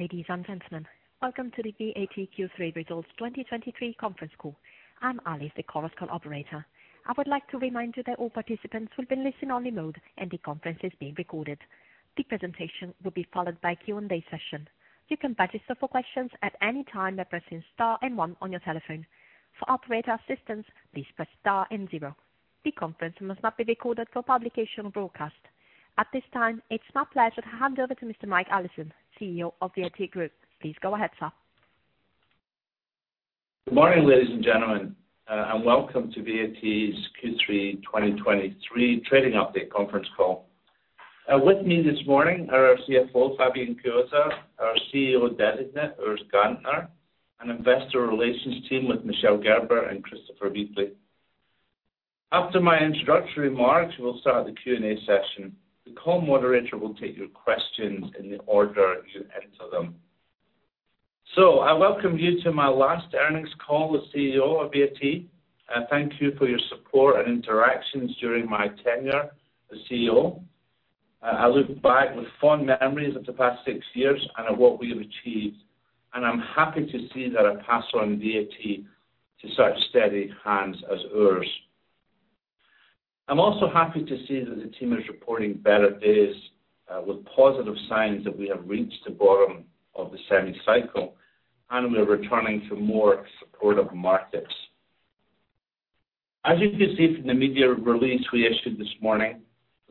Ladies and gentlemen, welcome to the VAT Q3 Results 2023 Conference Call. I'm Alice, the conference call operator. I would like to remind you that all participants will be in listen-only mode, and the conference is being recorded. The presentation will be followed by a Q&A session. You can register for questions at any time by pressing star and one on your telephone. For operator assistance, please press star and zero. The conference must not be recorded for publication or broadcast. At this time, it's my pleasure to hand over to Mr. Mike Allison, CEO of the VAT Group. Please go ahead, sir. Good morning, ladies and gentlemen, and welcome to VAT's Q3 2023 trading update conference call. With me this morning are our CFO, Fabian Chiozza, our CEO Designate, Urs Gantner, and Investor Relations team with Michel Gerber and Christopher Beasley. After my introductory remarks, we'll start the Q&A session. The call moderator will take your questions in the order you enter them. I welcome you to my last earnings call as CEO of VAT. I thank you for your support and interactions during my tenure as CEO. I look back with fond memories of the past six years and at what we have achieved, and I'm happy to see that I pass on VAT to such steady hands as Urs. I'm also happy to see that the team is reporting better days, with positive signs that we have reached the bottom of the semi cycle, and we are returning to more supportive markets. As you can see from the media release we issued this morning,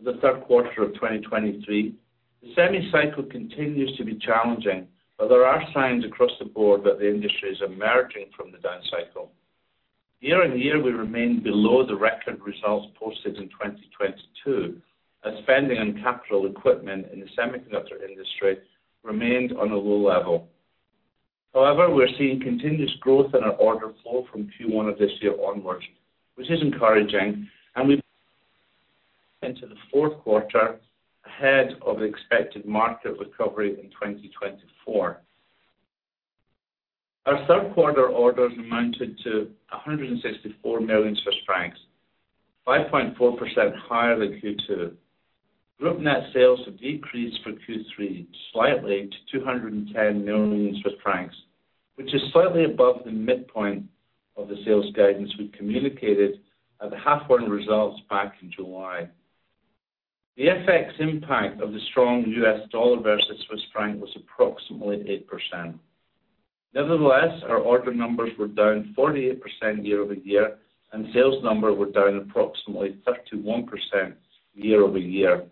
the third quarter of 2023, the semi cycle continues to be challenging, but there are signs across the board that the industry is emerging from the down cycle. Year on year, we remain below the record results posted in 2022, as spending on capital equipment in the semiconductor industry remained on a low level. However, we're seeing continuous growth in our order flow from Q1 of this year onwards, which is encouraging, and into the fourth quarter, ahead of expected market recovery in 2024. Our third quarter orders amounted to 164 million Swiss francs, 5.4% higher than Q2. Group net sales have decreased for Q3, slightly to 210 million Swiss francs, which is slightly above the midpoint of the sales guidance we communicated at the half one results back in July. The FX impact of the strong U.S. dollar versus Swiss franc was approximately 8%. Nevertheless, our order numbers were down 48% year-over-year, and sales number were down approximately 31% year-over-year.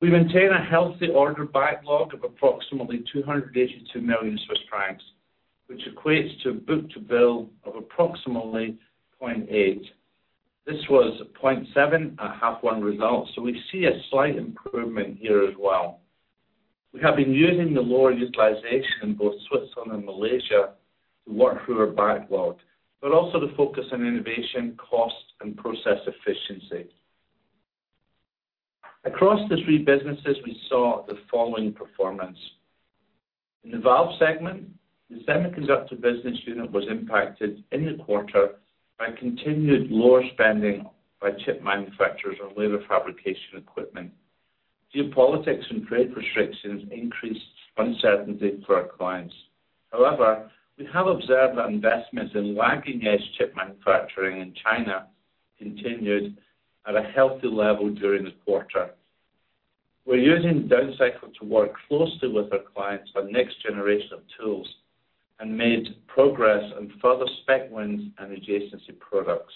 We maintain a healthy order backlog of approximately 282 million Swiss francs, which equates to book-to-bill of approximately 0.8. This was 0.7 at half one results, so we see a slight improvement here as well. We have been using the lower utilization in both Switzerland and Malaysia to work through our backlog, but also to focus on innovation, cost, and process efficiency. Across the three businesses, we saw the following performance: In the valve segment, the Semiconductor business unit was impacted in the quarter by continued lower spending by chip manufacturers on wafer fabrication equipment. Geopolitics and trade restrictions increased uncertainty for our clients. However, we have observed that investments in lagging-edge chip manufacturing in China continued at a healthy level during the quarter. We're using the down cycle to work closely with our clients on next generation of tools and made progress on further spec wins and adjacency products.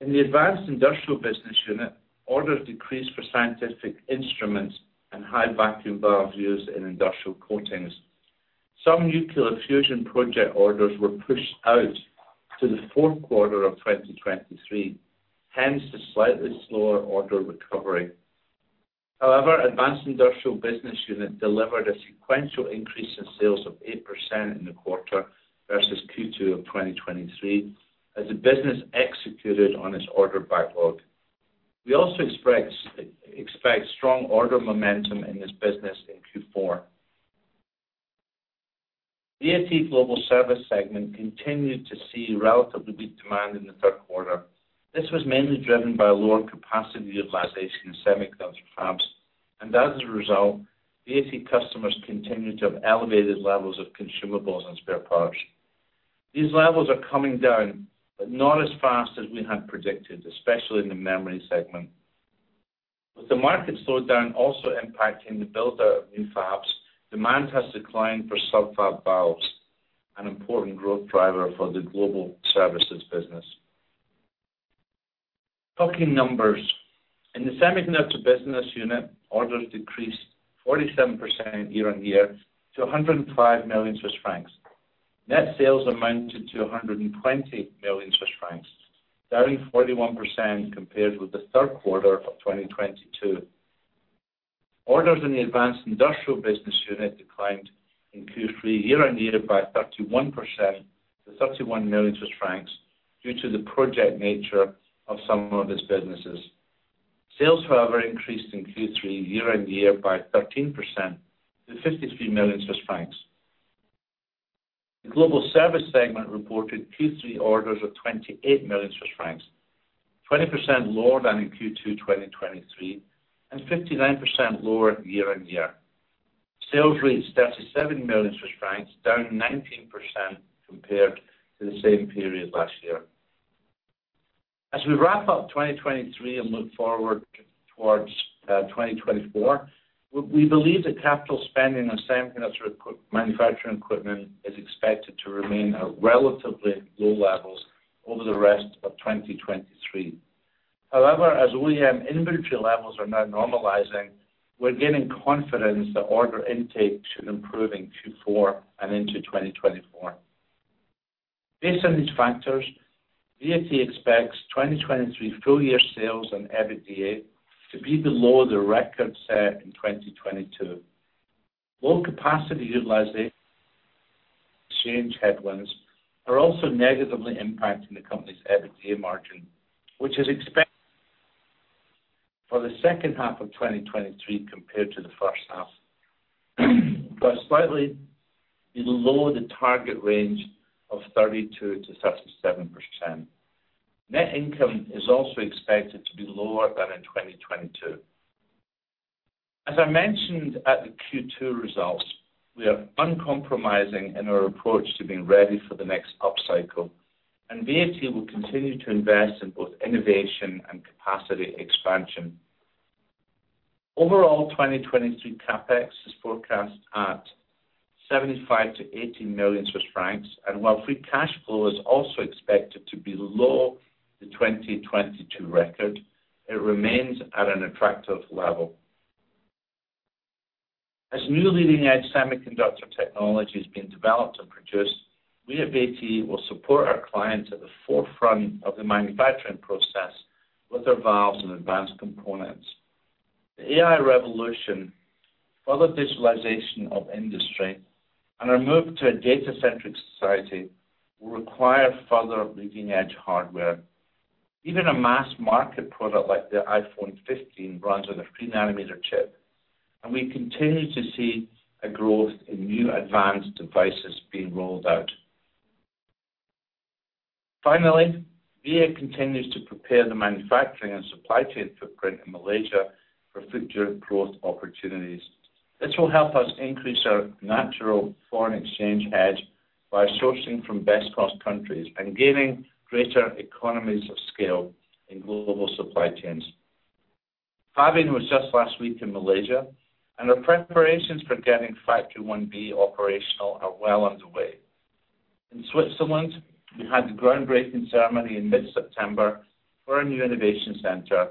In the Advanced Industrial business unit, orders decreased for scientific instruments and high vacuum valves used in industrial coatings. Some nuclear fusion project orders were pushed out to the fourth quarter of 2023, hence the slightly slower order recovery. However, Advanced Industrial business unit delivered a sequential increase in sales of 8% in the quarter versus Q2 of 2023, as the business executed on its order backlog. We also expect strong order momentum in this business in Q4. VAT Global Service segment continued to see relatively weak demand in the third quarter. This was mainly driven by lower capacity utilization in semiconductor fabs, and as a result, VAT customers continued to have elevated levels of consumables and spare parts. These levels are coming down, but not as fast as we had predicted, especially in the memory segment. With the market slowdown also impacting the build-out of new fabs, demand has declined for subfab valves, an important growth driver for the global services business. Talking numbers. In the Semiconductor business unit, orders decreased 47% year-over-year to 105 million Swiss francs. Net sales amounted to 120 million Swiss francs, down 41% compared with the third quarter of 2022. Orders in the Advanced Industrial business unit declined in Q3 year-over-year by 31% to 31 million Swiss francs, due to the project nature of some of its businesses. Sales, however, increased in Q3 year-over-year by 13% to 53 million Swiss francs. The global service segment reported Q3 orders of 28 million Swiss francs, 20% lower than in Q2 2023, and 59% lower year-over-year. Sales reached 37 million, down 19% compared to the same period last year. As we wrap up 2023 and look forward towards 2024, we believe that capital spending on semiconductor manufacturing equipment is expected to remain at relatively low levels over the rest of 2023. However, as OEM inventory levels are now normalizing, we're gaining confidence that order intake should improve in Q4 and into 2024. Based on these factors, VAT expects 2023 full year sales and EBITDA to be below the record set in 2022. Low capacity utilization exchange headwinds are also negatively impacting the company's EBITDA margin, which is expected for the second half of 2023 compared to the first half, but slightly below the target range of 32%-37%. Net income is also expected to be lower than in 2022. As I mentioned at the Q2 results, we are uncompromising in our approach to being ready for the next upcycle, and VAT will continue to invest in both innovation and capacity expansion. Overall, 2023 CapEx is forecast at 75-80 million Swiss francs, and while free cash flow is also expected to be below the 2022 record, it remains at an attractive level. As new leading-edge semiconductor technology is being developed and produced, we at VAT will support our clients at the forefront of the manufacturing process with their valves and advanced components. The AI revolution, further digitalization of industry, and our move to a data-centric society will require further leading-edge hardware. Even a mass market product like the iPhone 15 runs on a 3-nanometer chip, and we continue to see a growth in new advanced devices being rolled out. Finally, VAT continues to prepare the manufacturing and supply chain footprint in Malaysia for future growth opportunities. This will help us increase our natural foreign exchange edge by sourcing from best cost countries and gaining greater economies of scale in global supply chains. Fabian was just last week in Malaysia, and our preparations for getting Factory 1B operational are well underway. In Switzerland, we had the groundbreaking ceremony in mid-September for a new innovation center,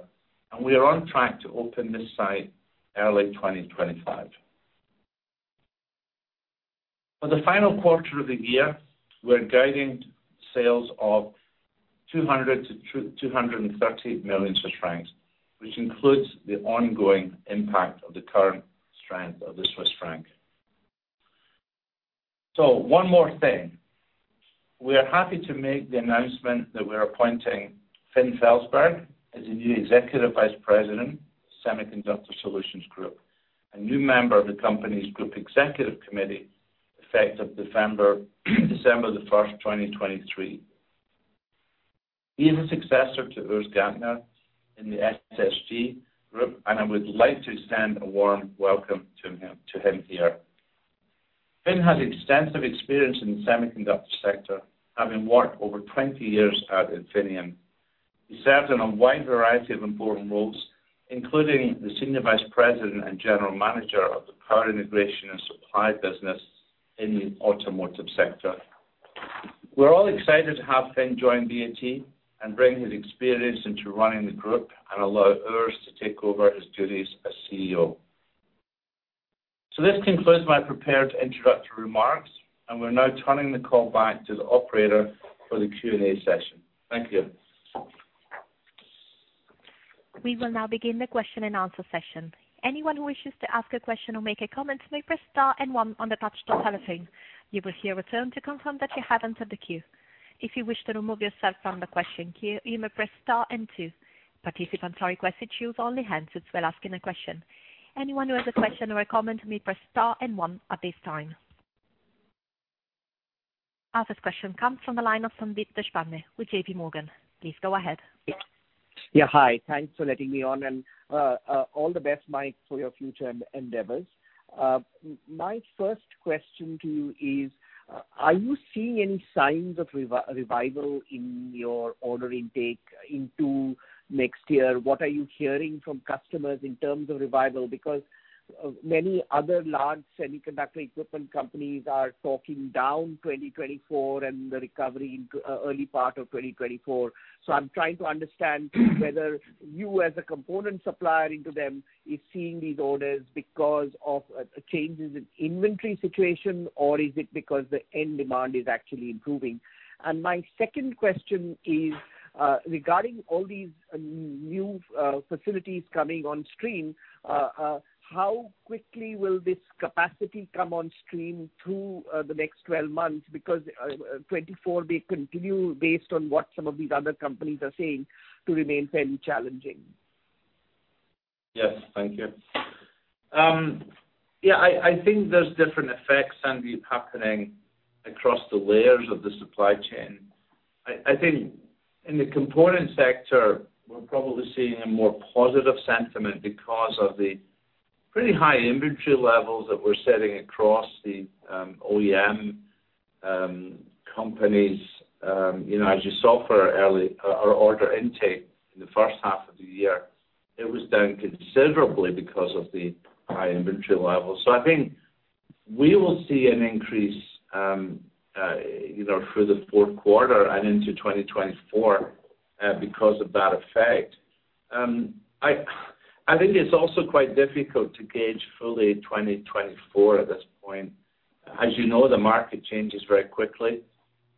and we are on track to open this site early 2025. For the final quarter of the year, we're guiding sales of 200 million-230 million Swiss francs, which includes the ongoing impact of the current strength of the Swiss franc. So one more thing. We are happy to make the announcement that we're appointing Finn Felsberg as the new Executive Vice President, Semiconductor Solutions Group, a new member of the company's group executive committee, effective December 1st, 2023. He is a successor to Urs Gantner in the SSG group, and I would like to extend a warm welcome to him here. Finn has extensive experience in the semiconductor sector, having worked over 20 years at Infineon. He served in a wide variety of important roles, including the Senior Vice President and General Manager of the Power Integration and Supply business in the automotive sector. We're all excited to have Finn join VAT and bring his experience into running the group and allow Urs to take over his duties as CEO. This concludes my prepared introductory remarks, and we're now turning the call back to the operator for the Q&A session. Thank you. We will now begin the question-and-answer session. Anyone who wishes to ask a question or make a comment, may press star and one on the touchtone telephone. You will hear a tone to confirm that you have entered the queue. If you wish to remove yourself from the question queue, you may press star and two. Participants are requested to use only handsets while asking a question. Anyone who has a question or a comment may press star and one at this time. Our first question comes from the line of Sandeep Deshpande with JPMorgan. Please go ahead. Yeah, hi. Thanks for letting me on, and all the best, Mike, for your future endeavors. My first question to you is, are you seeing any signs of revival in your order intake into next year? What are you hearing from customers in terms of revival? Because many other large semiconductor equipment companies are talking down 2024 and the recovery into early part of 2024. I'm trying to understand whether you, as a component supplier into them, are seeing these orders because of changes in inventory situation, or is it because the end demand is actually improving? My second question is regarding all these new facilities coming on stream, how quickly will this capacity come on stream through the next 12 months? Because, 2024 will continue based on what some of these other companies are saying, to remain fairly challenging. Yes, thank you. Yeah, I think there's different effects, Sandeep, happening across the layers of the supply chain. I think in the component sector, we're probably seeing a more positive sentiment because of the pretty high inventory levels that we're setting across the OEM companies. You know, as you saw for our early order intake in the first half of the year, it was down considerably because of the high inventory levels. I think we will see an increase, you know, through the fourth quarter and into 2024 because of that effect. I think it's also quite difficult to gauge fully 2024 at this point. As you know, the market changes very quickly.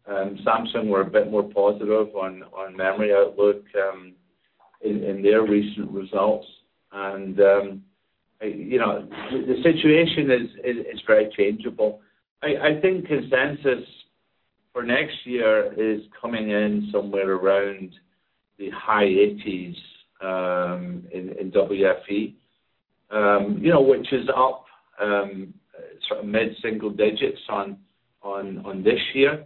Samsung were a bit more positive on memory outlook in their recent results. And, you know, the situation is very changeable. I think consensus for next year is coming in somewhere around the high eighties in WFE. You know, which is up sort of mid-single digits on this year.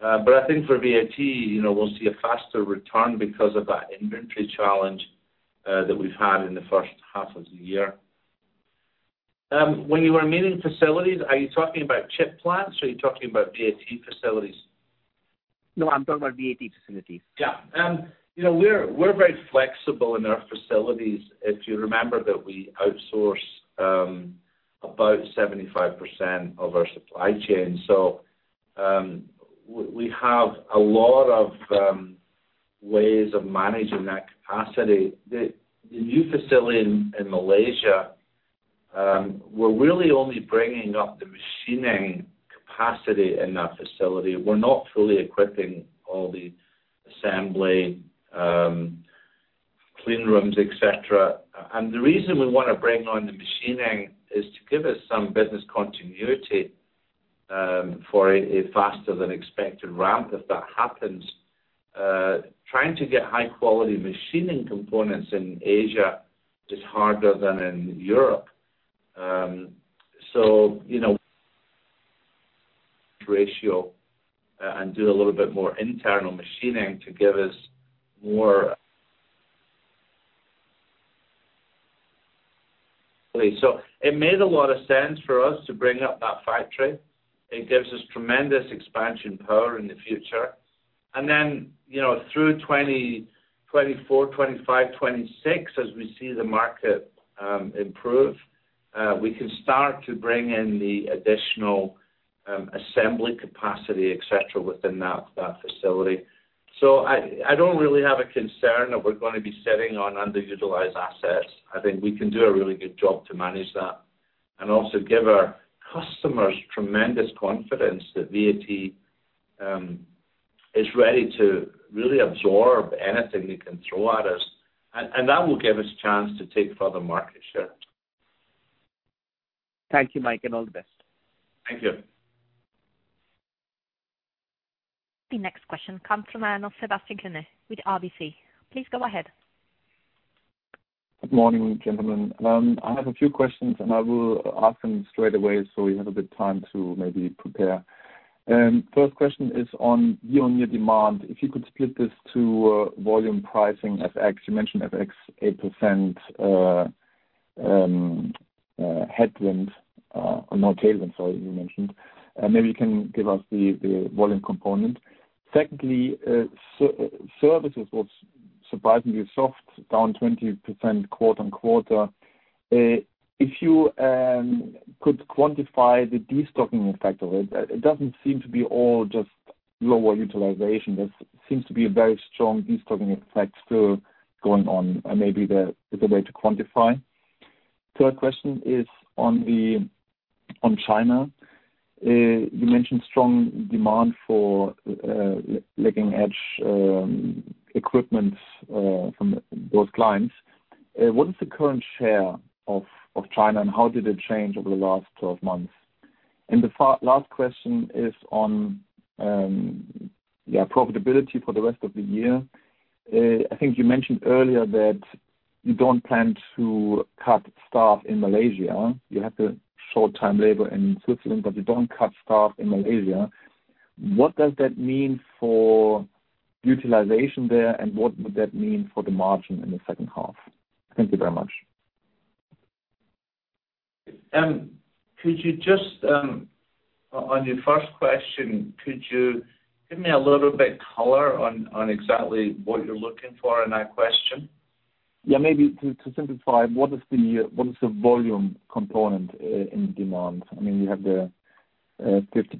But I think for VAT, you know, we'll see a faster return because of that inventory challenge that we've had in the first half of the year. When you were meaning facilities, are you talking about chip plants, or are you talking about VAT facilities? No, I'm talking about VAT facilities. Yeah. You know, we're very flexible in our facilities. If you remember that we outsource about 75% of our supply chain. So we have a lot of ways of managing that capacity. The new facility in Malaysia, we're really only bringing up the machining capacity in that facility. We're not fully equipping all the assembly clean rooms, et cetera. And the reason we wanna bring on the machining is to give us some business continuity for a faster than expected ramp, if that happens. Trying to get high quality machining components in Asia is harder than in Europe. So, you know, ratio and do a little bit more internal machining to give us more... So it made a lot of sense for us to bring up that factory. It gives us tremendous expansion power in the future. Then, you know, through 2024, 2025, 2026, as we see the market improve, we can start to bring in the additional assembly capacity, et cetera, within that facility. So I, I don't really have a concern that we're gonna be sitting on underutilized assets. I think we can do a really good job to manage that, and also give our customers tremendous confidence that VAT is ready to really absorb anything you can throw at us. And that will give us a chance to take further market share. Thank you, Mike, and all the best. Thank you. The next question comes from Sebastian Kuenne with RBC. Please go ahead. Good morning, gentlemen. I have a few questions, and I will ask them straight away, so you have a bit of time to maybe prepare. First question is on year-on-year demand. If you could split this to volume pricing, FX. You mentioned FX, 8%, headwind, or no, tailwind, sorry, you mentioned. Maybe you can give us the volume component. Secondly, services was surprisingly soft, down 20% quarter-on-quarter. If you could quantify the destocking effect of it, it doesn't seem to be all just lower utilization. There seems to be a very strong destocking effect still going on, and maybe the way to quantify. Third question is on China. You mentioned strong demand for lagging-edge equipment from those clients. What is the current share of China, and how did it change over the last 12 months? The last question is on, yeah, profitability for the rest of the year. I think you mentioned earlier that you don't plan to cut staff in Malaysia. You have short-time labor in Switzerland, but you don't cut staff in Malaysia. What does that mean for utilization there, and what would that mean for the margin in the second half? Thank you very much. Could you just, on your first question, could you give me a little bit color on, on exactly what you're looking for in that question? Yeah, maybe to simplify, what is the, what is the volume component in demand? I mean, you have the 50+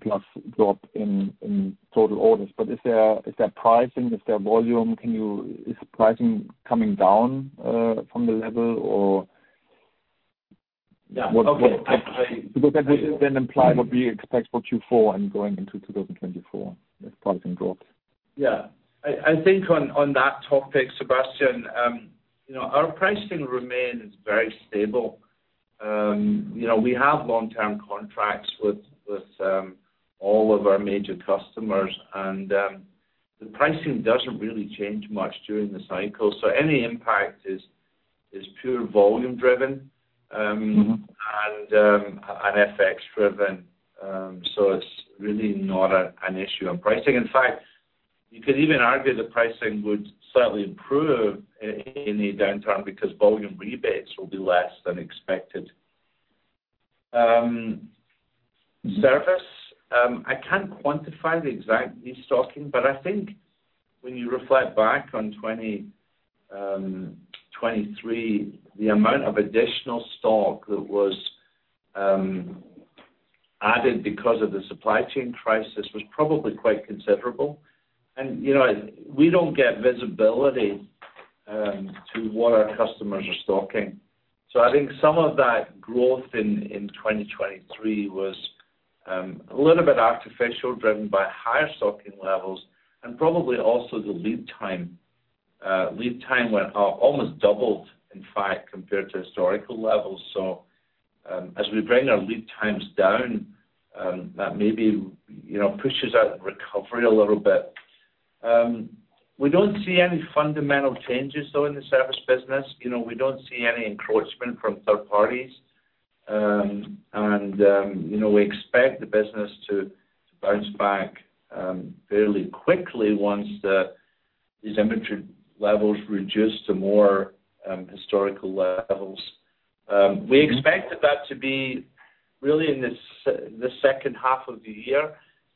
drop in total orders, but is there, is there pricing, is there volume? Can you-- is pricing coming down from the level, or? Yeah. Okay. Because that would then imply what we expect for Q4 and going into 2024, if pricing drops. Yeah. I think on that topic, Sebastian, you know, our pricing remains very stable. You know, we have long-term contracts with all of our major customers, and the pricing doesn't really change much during the cycle. So any impact is pure volume driven, and FX driven. So it's really not an issue on pricing. In fact, you could even argue the pricing would certainly improve in a downturn because volume rebates will be less than expected. Service, I can't quantify the exact restocking, but I think when you reflect back on 2023, the amount of additional stock that was added because of the supply chain crisis was probably quite considerable. And, you know, we don't get visibility to what our customers are stocking. So I think some of that growth in 2023 was a little bit artificial, driven by higher stocking levels and probably also the lead time. Lead time went up, almost doubled, in fact, compared to historical levels. So as we bring our lead times down, that maybe, you know, pushes out the recovery a little bit. We don't see any fundamental changes, though, in the service business. You know, we don't see any encroachment from third parties. And you know, we expect the business to bounce back fairly quickly once these inventory levels reduce to more historical levels. We expected that to be really in the second half of the year.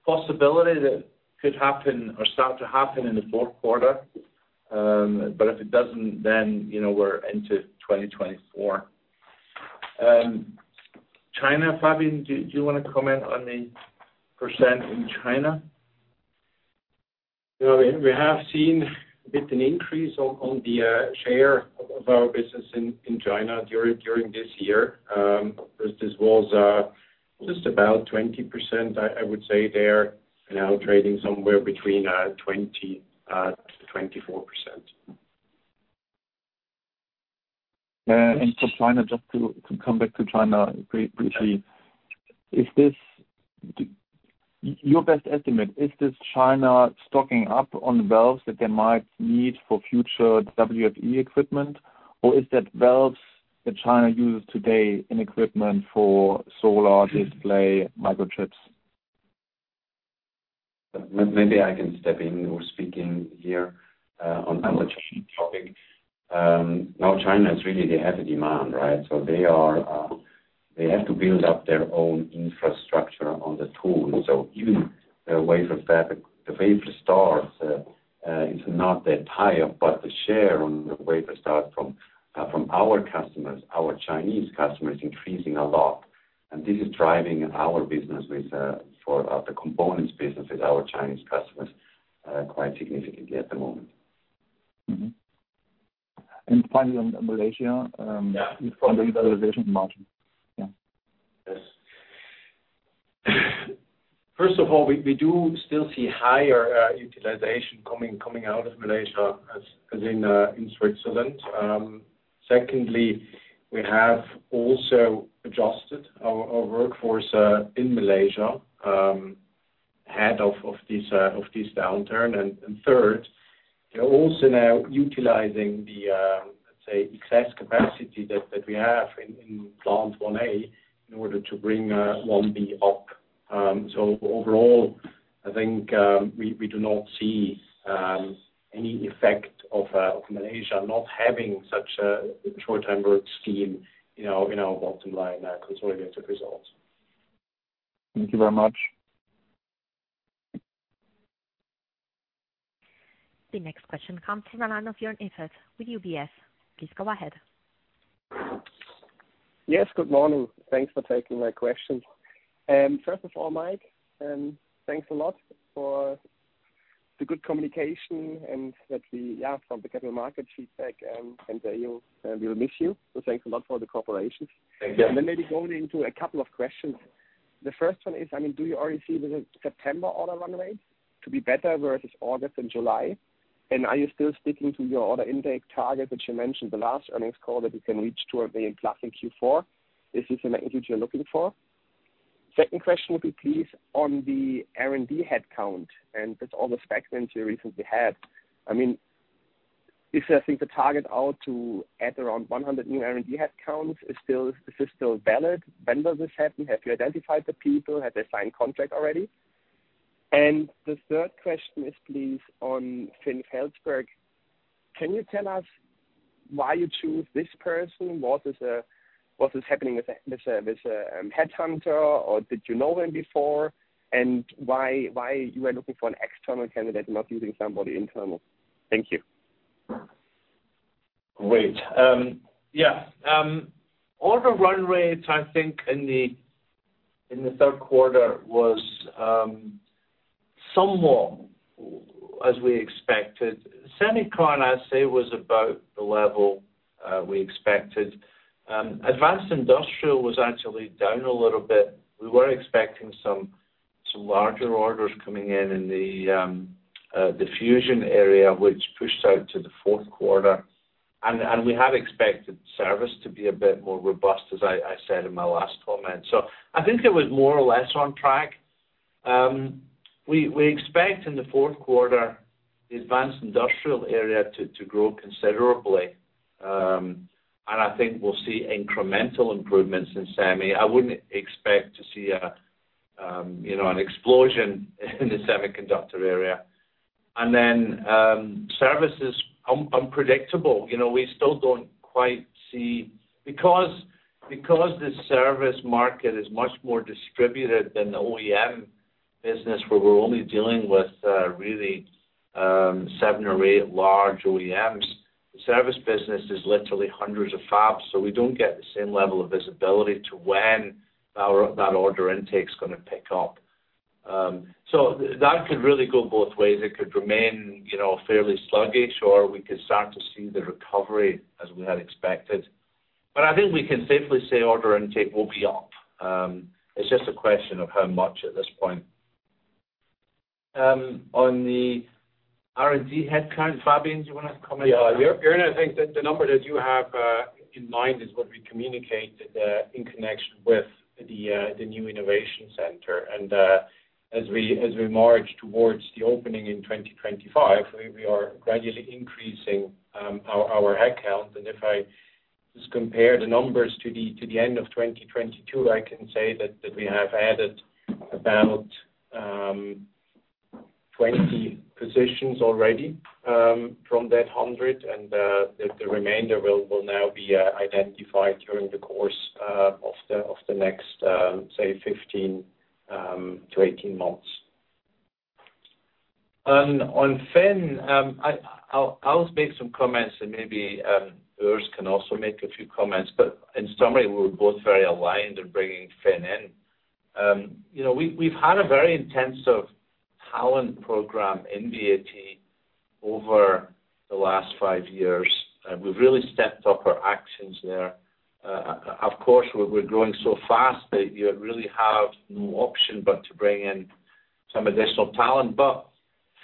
Possibility that could happen or start to happen in the fourth quarter. But if it doesn't, then, you know, we're into 2024. China, Fabian, do you want to comment on the percent in China? You know, we have seen a bit an increase on the share of our business in China during this year. This was just about 20%. I would say they're now trading somewhere between 20% to 24%. And for China, just to come back to China very briefly. Is this—your best estimate, is this China stocking up on valves that they might need for future WFE equipment, or is that valves that China uses today in equipment for solar, display, microchips? Maybe I can step in or speaking here on that topic. Now, China is really, they have a demand, right? So they are, they have to build up their own infrastructure on the tool. So even the wafer fabric, the wafer starts is not that high, but the share on the wafer start from our customers, our Chinese customers, increasing a lot. And this is driving our business with for the components business with our Chinese customers quite significantly at the moment. And finally, on Malaysia, Yeah. On the utilization margin. Yeah. Yes. First of all, we do still see higher utilization coming out of Malaysia as in Switzerland. Secondly, we have also adjusted our workforce in Malaysia ahead of this downturn. And third, they're also now utilizing the, let's say, excess capacity that we have in Plant 1A, in order to bring 1B up. So overall, I think, we do not see any effect of Malaysia not having such a short-term work scheme, you know, in our bottom line consolidated results. Thank you very much. The next question comes in the line of Jörn Iffert with UBS. Please go ahead. Yes, good morning. Thanks for taking my question. First of all, Mike, thanks a lot for the good communication and that we, yeah, from the capital market feedback, and you, we will miss you. So thanks a lot for the cooperation. Thank you. And then maybe going into a couple of questions. The first one is, I mean, do you already see the September order runway to be better versus August and July? And are you still sticking to your order intake target, which you mentioned the last earnings call, that you can reach toward the end plus in Q4? Is this the magnitude you're looking for? Second question would be, please, on the R&D headcount, and with all the spec wins you recently had. I mean, is, I think, the target to add around 100 new R&D headcount still valid? When does this happen? Have you identified the people? Have they signed contract already? And the third question is, please, on Finn Felsberg. Can you tell us why you choose this person? What is happening with the headhunter, or did you know him before? And why you are looking for an external candidate, not using somebody internal? Thank you. Great. Yeah. Order run rates, I think, in the third quarter was somewhat as we expected. Semiconductor, I'd say, was about the level we expected. Advanced industrial was actually down a little bit. We were expecting some larger orders coming in, in the diffusion area, which pushed out to the fourth quarter. And we had expected service to be a bit more robust, as I said in my last comment. So I think it was more or less on track. We expect in the fourth quarter, the advanced industrial area to grow considerably. And I think we'll see incremental improvements in semi. I wouldn't expect to see a you know an explosion in the semiconductor area. And then, service is unpredictable. You know, we still don't quite see. Because, because the service market is much more distributed than the OEM business, where we're only dealing with, really, seven or eight large OEMs, the service business is literally hundreds of fabs. So we don't get the same level of visibility to when our, that order intake's gonna pick up. So that could really go both ways. It could remain, you know, fairly sluggish, or we could start to see the recovery as we had expected. But I think we can safely say order intake will be up. It's just a question of how much at this point. On the R&D headcount, Fabian, do you wanna comment? Yeah, Jörn, I think that the number that you have in mind is what we communicated in connection with the new innovation center. And as we march towards the opening in 2025, we are gradually increasing our headcount. And if I just compare the numbers to the end of 2022, I can say that we have added about 20 positions already from that 100, and the remainder will now be identified during the course of the next, say, 15 to 18 months. On Finn, I'll make some comments and maybe Urs can also make a few comments. But in summary, we're both very aligned in bringing Finn in. You know, we've had a very intensive talent program in VAT over the last five years, and we've really stepped up our actions there. Of course, we're growing so fast that you really have no option but to bring in some additional talent. But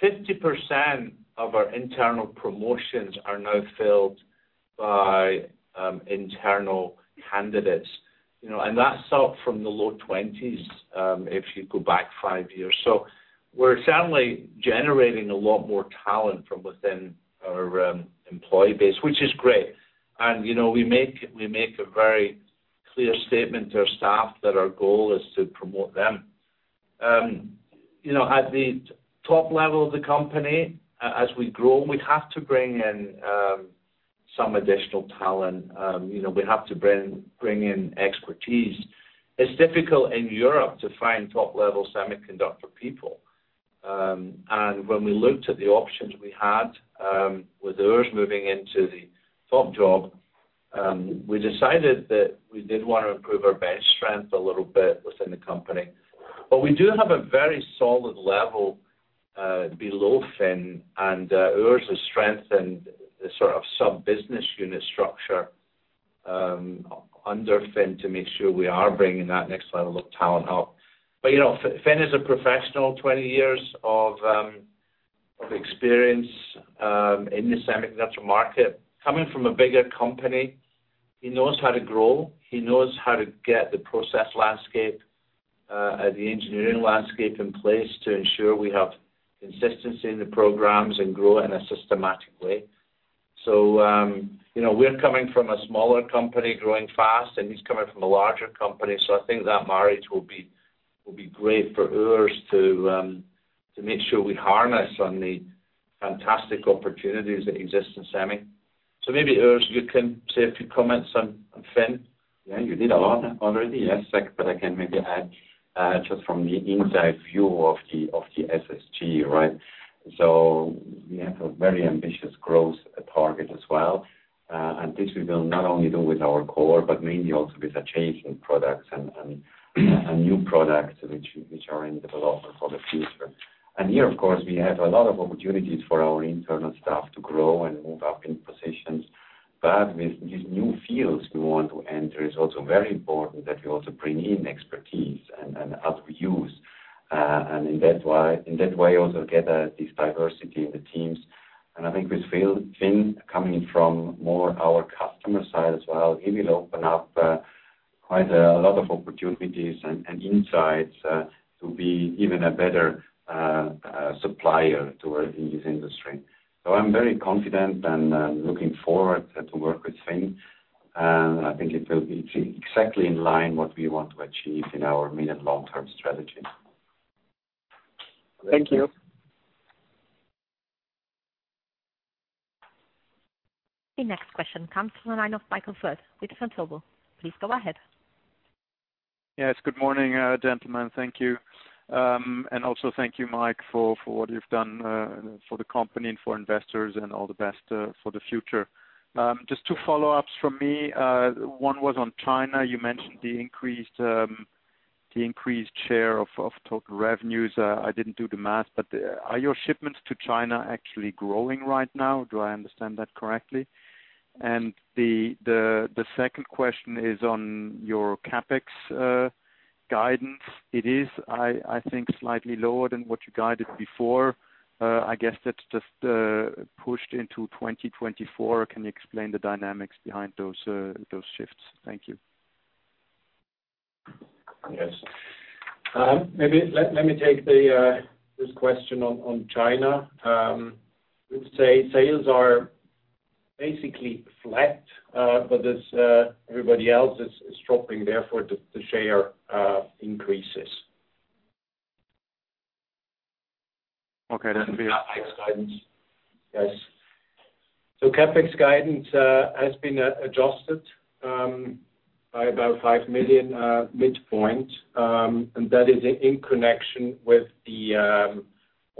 50% of our internal promotions are now filled by internal candidates, you know, and that's up from the low 20s if you go back five years. So we're certainly generating a lot more talent from within our employee base, which is great. And, you know, we make a very clear statement to our staff that our goal is to promote them. You know, at the top level of the company, as we grow, we have to bring in some additional talent. You know, we have to bring in expertise. It's difficult in Europe to find top-level semiconductor people. And when we looked at the options we had, with Urs moving into the top job, we decided that we did want to improve our bench strength a little bit within the company. But we do have a very solid level below Finn, and Urs has strengthened the sort of sub-business unit structure under Finn to make sure we are bringing that next level of talent up. But, you know, Finn is a professional, 20 years of experience in the semiconductor market. Coming from a bigger company, he knows how to grow, he knows how to get the process landscape, the engineering landscape in place to ensure we have consistency in the programs and grow in a systematic way. So, you know, we're coming from a smaller company growing fast, and he's coming from a larger company, so I think that marriage will be, will be great for Urs to, to make sure we harness on the fantastic opportunities that exist in Semi. So maybe, Urs, you can say a few comments on, on Finn. Yeah, you did a lot already. Yes, but I can maybe add just from the inside view of the SSG, right? So we have a very ambitious growth target as well. And this we will not only do with our core, but mainly also with the changing products and new products which are in development for the future. And here, of course, we have a lot of opportunities for our internal staff to grow and move up in positions. But with these new fields we want to enter, it's also very important that we also bring in expertise and other views. And in that way, also get this diversity in the teams. And I think with Finn coming from more our customer side as well, he will open up quite a lot of opportunities and insights to be even a better supplier toward in this industry. So I'm very confident and looking forward to work with Finn, and I think it will be exactly in line what we want to achieve in our mid- and long-term strategy. Thank you. The next question comes from the line of Michael Foeth, with Vontobel. Please go ahead. Yes, good morning, gentlemen. Thank you. And also thank you, Mike, for what you've done for the company and for investors, and all the best for the future. Just two follow-ups from me. One was on China. You mentioned the increased, the increased share of total revenues. I didn't do the math, but are your shipments to China actually growing right now? Do I understand that correctly? And the second question is on your CapEx guidance. It is, I think, slightly lower than what you guided before. I guess that's just pushed into 2024. Can you explain the dynamics behind those shifts? Thank you. Yes. Maybe let me take this question on China. I would say sales are basically flat, but as everybody else is dropping, therefore, the share increases. Okay, that'd be- CapEx guidance. Yes. So CapEx guidance has been adjusted by about 5 million midpoint, and that is in connection with the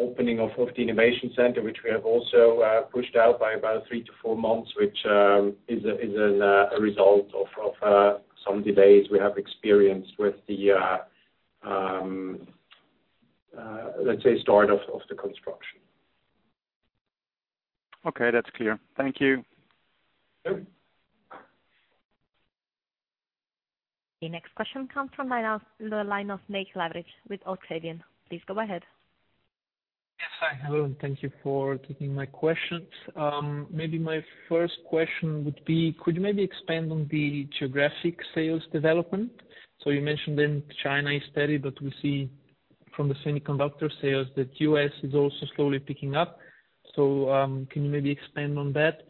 opening of the innovation center, which we have also pushed out by about 3-4 months, which is a result of some delays we have experienced with the, let's say, start of the construction. Okay, that's clear. Thank you. Yep. The next question comes from the line of [Nick]. Please go ahead. Yes. Hi, hello, and thank you for taking my questions. Maybe my first question would be, could you maybe expand on the geographic sales development? So you mentioned in China is steady, but we see from the semiconductor sales that U.S. is also slowly picking up. So, can you maybe expand on that?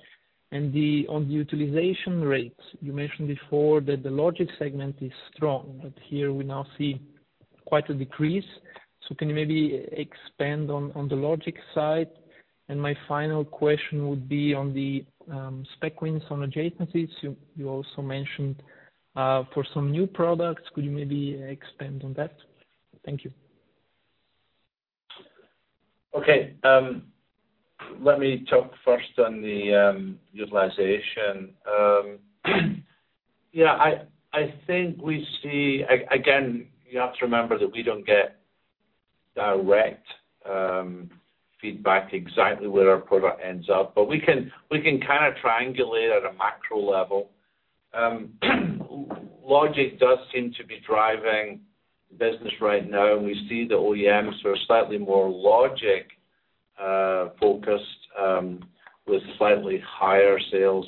And the, on the utilization rates, you mentioned before that the logic segment is strong, but here we now see quite a decrease. So can you maybe expand on the logic side? And my final question would be on the spec wins on adjacencies. You also mentioned for some new products. Could you maybe expand on that? Thank you. Okay. Let me talk first on the utilization. Yeah, I think we see. Again, you have to remember that we don't get direct feedback exactly where our product ends up, but we can kind of triangulate at a macro level. Logic does seem to be driving business right now, and we see the OEMs are slightly more logic focused with slightly higher sales.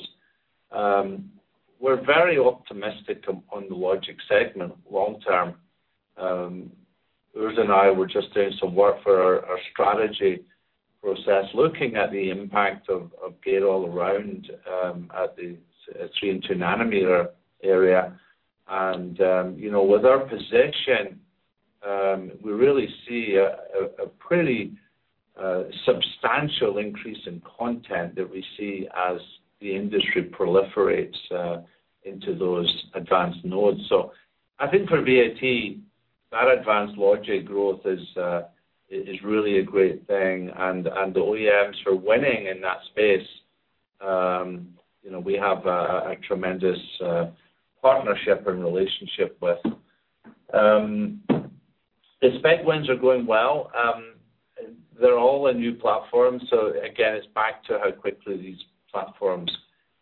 We're very optimistic on the logic segment long term. Urs and I were just doing some work for our strategy process, looking at the impact of Gate-All-Around at the 3 and 2 nanometer area. And you know, with our position, we really see a pretty substantial increase in content that we see as the industry proliferates into those advanced nodes. So I think for VAT, that advanced logic growth is really a great thing. And the OEMs are winning in that space. You know, we have a tremendous partnership and relationship with. The spec wins are going well. They're all in new platforms, so again, it's back to how quickly these platforms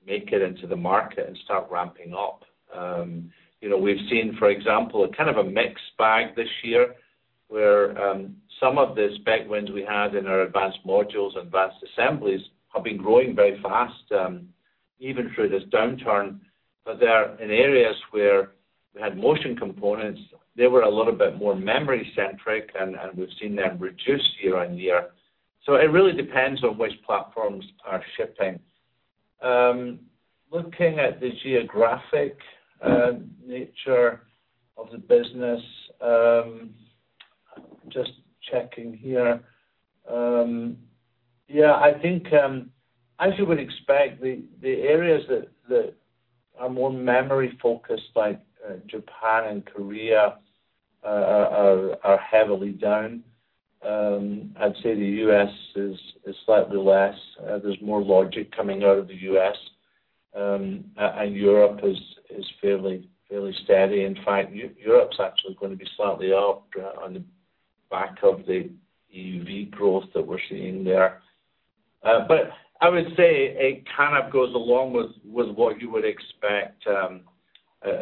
make it into the market and start ramping up. You know, we've seen, for example, a kind of a mixed bag this year, where some of the spec wins we had in our advanced modules, advanced assemblies, have been growing very fast, even through this downturn. But there are in areas where we had motion components, they were a little bit more memory-centric, and we've seen them reduce year-on-year. So it really depends on which platforms are shipping. Looking at the geographic nature of the business, just checking here. Yeah, I think, as you would expect, the areas that are more memory-focused, like Japan and Korea, are heavily down. I'd say the U.S. is slightly less. There's more logic coming out of the U.S., and Europe is fairly steady. In fact, Europe's actually going to be slightly up, on the back of the EUV growth that we're seeing there. But I would say it kind of goes along with what you would expect,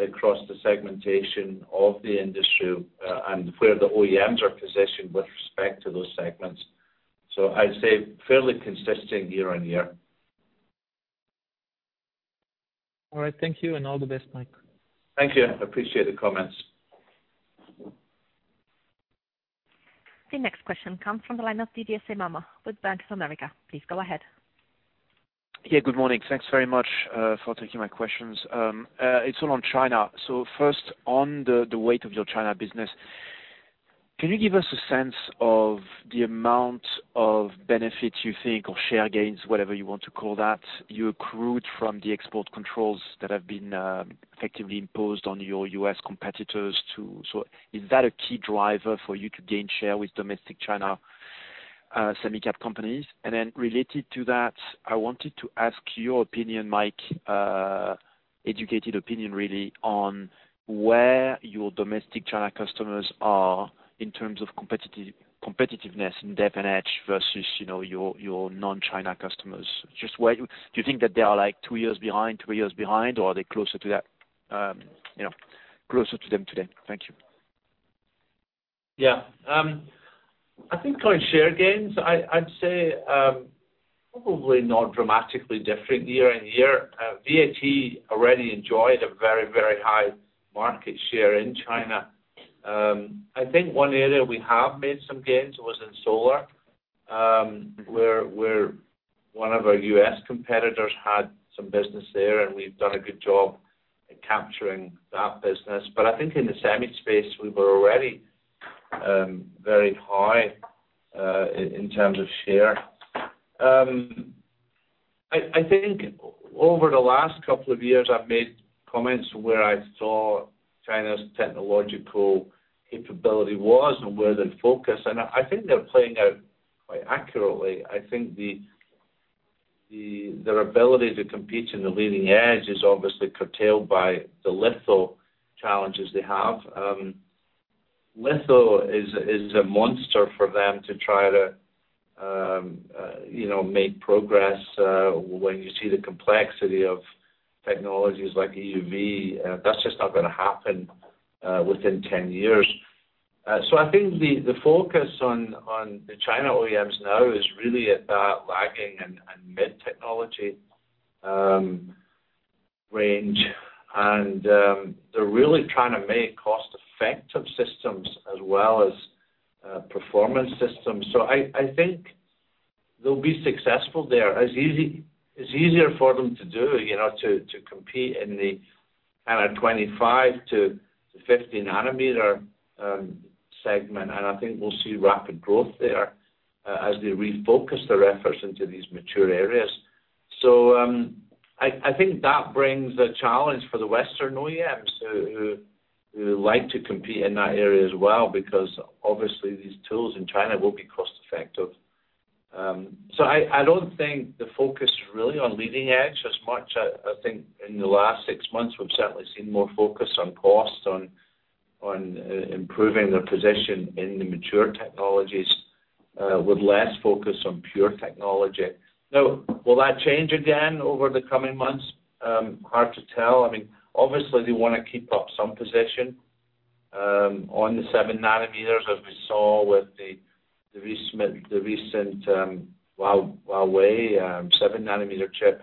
across the segmentation of the industry, and where the OEMs are positioned with respect to those segments. So I'd say fairly consistent year-on-year. All right, thank you, and all the best, Mike. Thank you. I appreciate the comments. The next question comes from the line of Didier Scemama with Bank of America. Please go ahead. Yeah, good morning. Thanks very much for taking my questions. It's all on China. So first, on the weight of your China business, can you give us a sense of the amount of benefits you think, or share gains, whatever you want to call that, you accrued from the export controls that have been effectively imposed on your U.S. competitors, too? So is that a key driver for you to gain share with domestic China Semicap companies? And then related to that, I wanted to ask your opinion, Mike, educated opinion really on where your domestic China customers are in terms of competitive, competitiveness in depth and edge versus, you know, your, your non-China customers. Just where do you think that they are like two years behind, three years behind, or are they closer to that, you know, closer to them today? Thank you. Yeah. I think our share gains, I'd say, probably not dramatically different year and year. VAT already enjoyed a very, very high market share in China. I think one area we have made some gains was in solar, where one of our U.S. competitors had some business there, and we've done a good job at capturing that business. But I think in the semi space, we were already very high in terms of share. I think over the last couple of years, I've made comments where I saw China's technological capability was and where they focus, and I think they're playing out quite accurately. I think their ability to compete in the leading edge is obviously curtailed by the litho challenges they have. Litho is, is a monster for them to try to, you know, make progress, when you see the complexity of technologies like EUV, that's just not gonna happen, within 10 years. So I think the, the focus on, on the China OEMs now is really at that lagging and, and mid technology, range. And, they're really trying to make cost-effective systems as well as, performance systems. So I, I think they'll be successful there. As easy-- It's easier for them to do, you know, to, to compete in the kind of 25-50 nanometer, segment. And I think we'll see rapid growth there, as they refocus their efforts into these mature areas. I think that brings a challenge for the Western OEMs, who like to compete in that area as well, because obviously these tools in China will be cost effective. I don't think the focus is really on leading edge as much. I think in the last six months, we've certainly seen more focus on cost, on improving their position in the mature technologies, with less focus on pure technology. Now, will that change again over the coming months? Hard to tell. I mean, obviously they want to keep up some position on the 7 nanometers, as we saw with the recent Huawei 7 nanometer chip.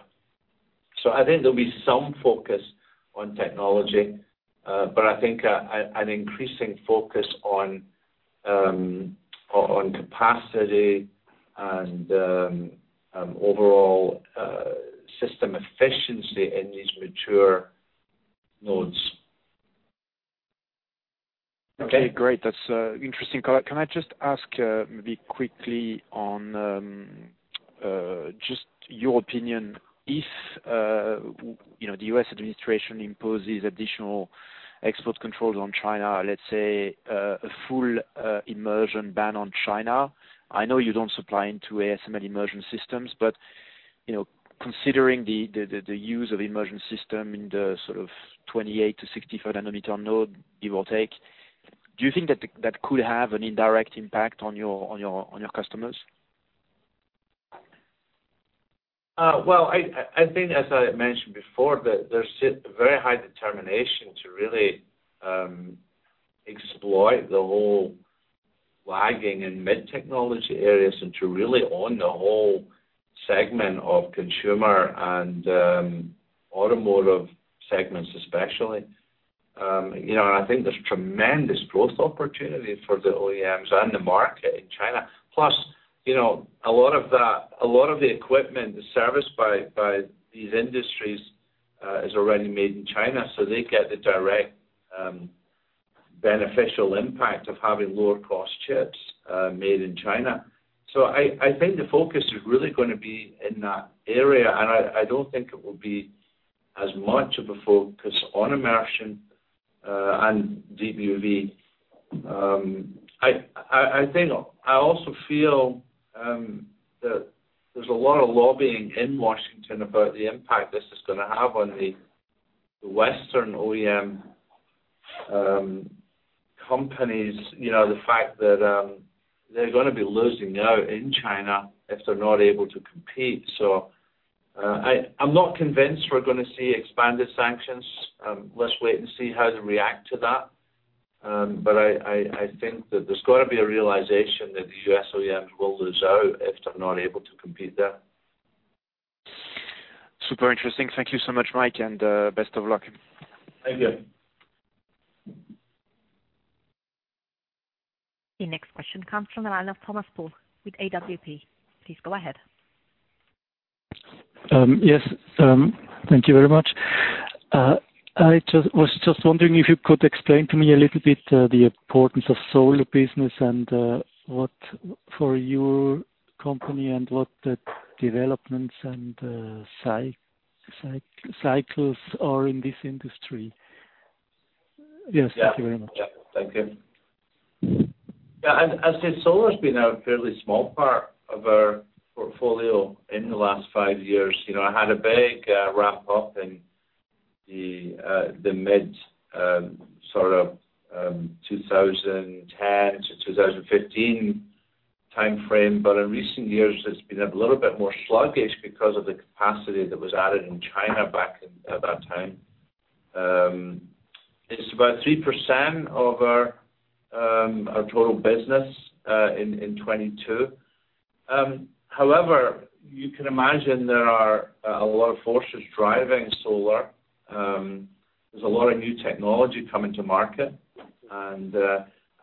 So I think there'll be some focus on technology, but I think an increasing focus on capacity and overall system efficiency in these mature nodes. Okay, great. That's interesting. Can I just ask maybe quickly on just your opinion if you know the U.S. administration imposes additional export controls on China, let's say a full immersion ban on China. I know you don't supply into ASML immersion systems, but you know considering the use of immersion system in the sort of 28-64 nanometer node, give or take, do you think that could have an indirect impact on your customers? Well, I think, as I mentioned before, that there's still a very high determination to really exploit the whole lagging and mid-technology areas, and to really own the whole segment of consumer and automotive segments, especially. You know, and I think there's tremendous growth opportunity for the OEMs and the market in China. Plus, you know, a lot of that, a lot of the equipment, the service by these industries is already made in China, so they get the direct beneficial impact of having lower cost chips made in China. So I think the focus is really gonna be in that area, and I don't think it will be as much of a focus on immersion and DUV. I think I also feel that there's a lot of lobbying in Washington about the impact this is gonna have on the Western OEM companies. You know, the fact that they're gonna be losing out in China if they're not able to compete. So, I’m not convinced we're gonna see expanded sanctions. Let's wait and see how to react to that. But I think that there's got to be a realization that the U.S. OEMs will lose out if they're not able to compete there. Super interesting. Thank you so much, Mike, and best of luck. Thank you. The next question comes from the line of Thomas Paul with AWP. Please go ahead. Thank you very much. I just was just wondering if you could explain to me a little bit the importance of solar business and what for your company and what the developments and cycles are in this industry? Yes, thank you very much. Yeah, thank you. Yeah, as said, solar has been a fairly small part of our portfolio in the last five years. You know, I had a big ramp up in the mid sort of 2010-2015 time frame. But in recent years, it's been a little bit more sluggish because of the capacity that was added in China back in, at that time. It's about 3% of our total business in 2022. However, you can imagine there are a lot of forces driving solar. There's a lot of new technology coming to market, and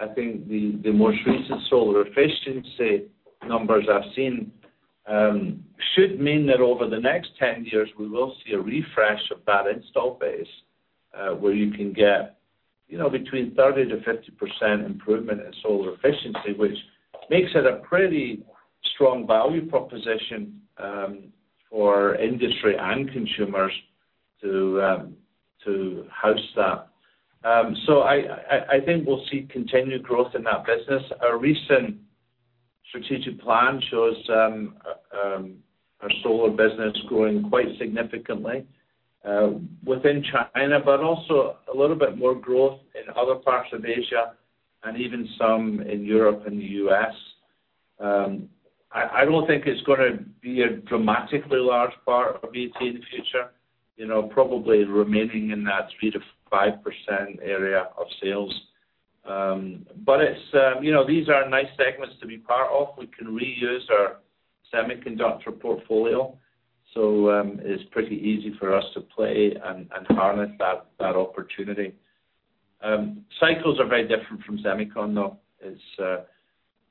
I think the most recent solar efficiency numbers I've seen should mean that over the next 10 years, we will see a refresh of that install base, where you can get, you know, between 30%-50% improvement in solar efficiency. Which makes it a pretty strong value proposition for industry and consumers to house that. So I think we'll see continued growth in that business. Our recent strategic plan shows our solar business growing quite significantly within China, but also a little bit more growth in other parts of Asia and even some in Europe and the U.S. I don't think it's gonna be a dramatically large part of ET in the future, you know, probably remaining in that 3%-5% area of sales. But it's, you know, these are nice segments to be part of. We can reuse our semiconductor portfolio, so, it's pretty easy for us to play and harness that opportunity. Cycles are very different from semicon, though. It's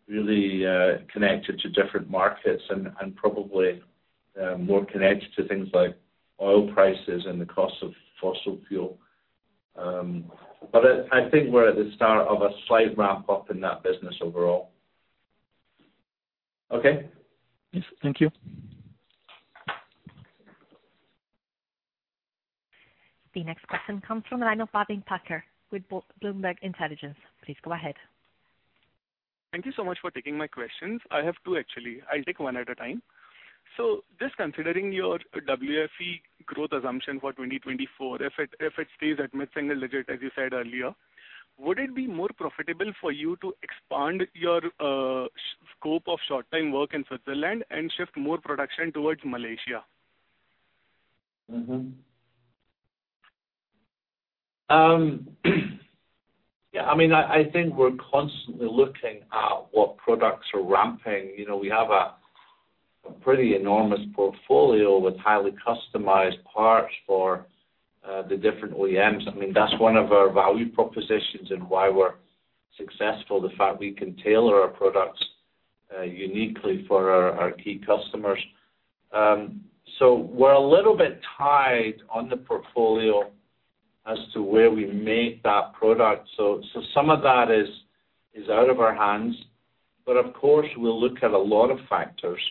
really connected to different markets and probably more connected to things like oil prices and the cost of fossil fuel. But I think we're at the start of a slight ramp up in that business overall. Okay? Yes. Thank you. The next question comes from the line of Bhavin Patel with Bloomberg Intelligence. Please go ahead. Thank you so much for taking my questions. I have two, actually. I'll take one at a time. So just considering your WFE growth assumption for 2024, if it stays at mid-single digit, as you said earlier, would it be more profitable for you to expand your scope of short-term work in Switzerland and shift more production towards Malaysia? Mm-hmm. Yeah, I mean, I think we're constantly looking at what products are ramping. You know, we have a pretty enormous portfolio with highly customized parts for the different OEMs. I mean, that's one of our value propositions and why we're successful, the fact we can tailor our products uniquely for our key customers. So we're a little bit tied on the portfolio as to where we make that product. So some of that is out of our hands, but of course, we'll look at a lot of factors.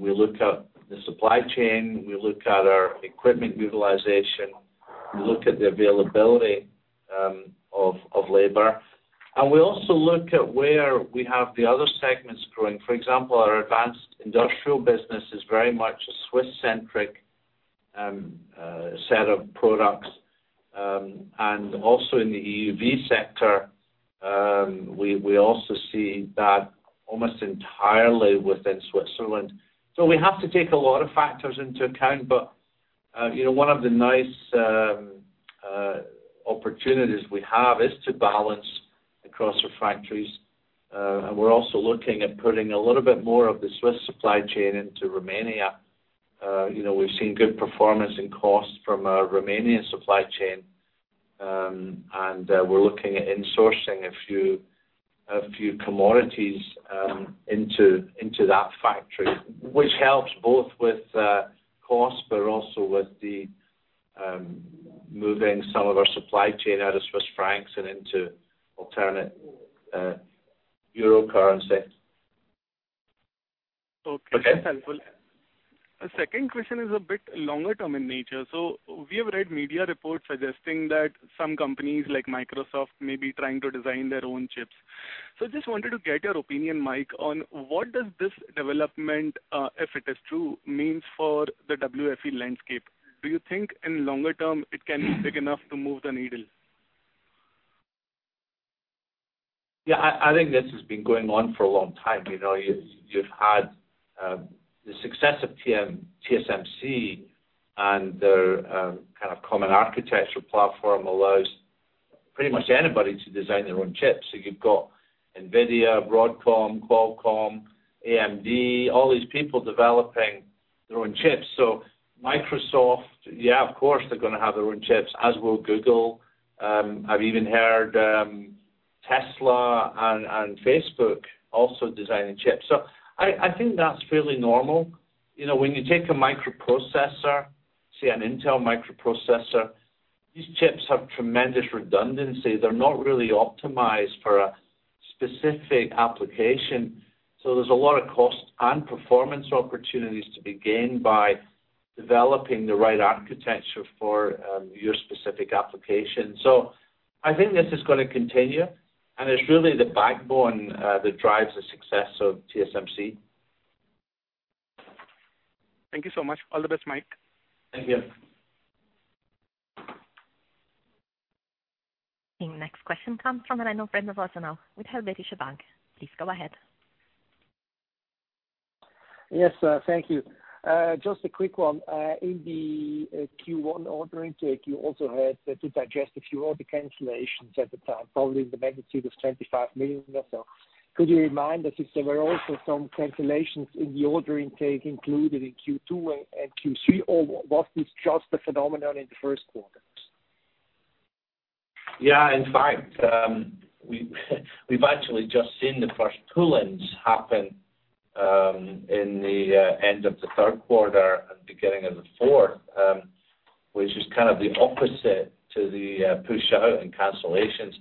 We look at the supply chain, we look at our equipment utilization, we look at the availability of labor, and we also look at where we have the other segments growing. For example, our advanced industrial business is very much a Swiss-centric set of products. Also in the EUV sector, we also see that almost entirely within Switzerland. We have to take a lot of factors into account, but, you know, one of the nice opportunities we have is to balance across our factories. We're also looking at putting a little bit more of the Swiss supply chain into Romania. You know, we've seen good performance and cost from our Romanian supply chain, and we're looking at insourcing a few commodities into that factory, which helps both with cost, but also with moving some of our supply chain out of Swiss francs and into alternate euro currency. Okay. Okay? That's helpful. A second question is a bit longer term in nature. So we have read media reports suggesting that some companies like Microsoft may be trying to design their own chips. So just wanted to get your opinion, Mike, on what does this development, if it is true, means for the WFE landscape? Do you think in longer term, it can be big enough to move the needle? Yeah, I think this has been going on for a long time. You know, you've had the success of TSMC and their kind of common architectural platform allows pretty much anybody to design their own chips. So you've got Nvidia, Broadcom, Qualcomm, AMD, all these people developing their own chips. So Microsoft, yeah, of course, they're gonna have their own chips, as will Google. I've even heard Tesla and Facebook also designing chips. So I think that's fairly normal. You know, when you take a microprocessor, say an Intel microprocessor, these chips have tremendous redundancy. They're not really optimized for a specific application. So there's a lot of cost and performance opportunities to be gained by developing the right architecture for your specific application. So I think this is gonna continue, and it's really the backbone that drives the success of TSMC. Thank you so much. All the best, Mike. Thank you. The next question comes from the line of Remo Rosenau with Helvetische Bank. Please go ahead. Yes, thank you. Just a quick one. In the Q1 order intake, you also had to digest a few order cancellations at the time, probably in the magnitude of 25 million or so. Could you remind us if there were also some cancellations in the order intake included in Q2 and Q3, or was this just a phenomenon in the first quarter? Yeah, in fact, we've actually just seen the first pull-ins happen in the end of the third quarter and beginning of the fourth, which is kind of the opposite to the pushout and cancellations.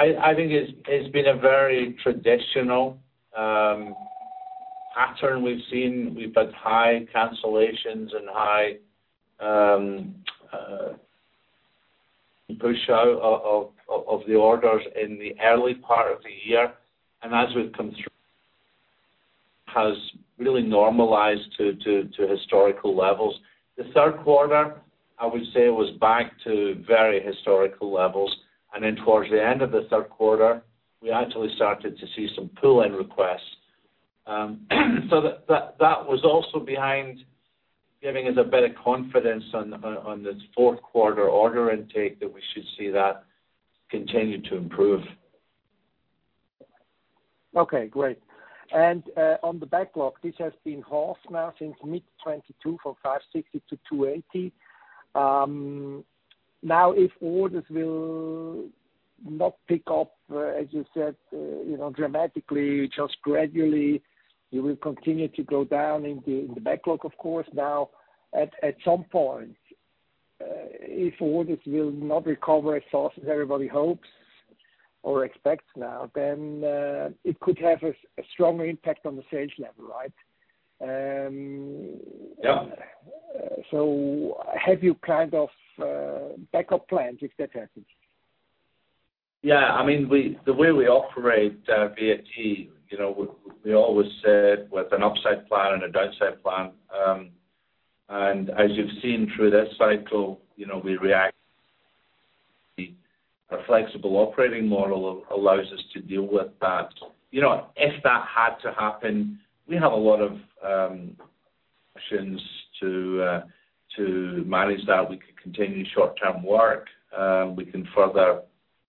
I think it's been a very traditional pattern we've seen. We've had high cancellations and high pushout of the orders in the early part of the year. And as we've come through, has really normalized to historical levels. The third quarter, I would say, was back to very historical levels. And then towards the end of the third quarter, we actually started to see some pull-in requests. So that was also behind giving us a bit of confidence on this fourth quarter order intake that we should see that continue to improve. Okay, great. On the backlog, this has been half now since mid 2022, from 560 to 280. Now, if orders will not pick up, you know, dramatically, just gradually, you will continue to go down in the backlog, of course. At some point, if orders will not recover as fast as everybody hopes or expects now, then it could have a strong impact on the sales level, right? Yeah. So have you kind of backup plans if that happens? Yeah. I mean, the way we operate, VAT, you know, we always said, with an upside plan and a downside plan. And as you've seen through this cycle, you know, we react. A flexible operating model allows us to deal with that. You know, if that had to happen, we have a lot of options to manage that. We could continue short-time work. We can further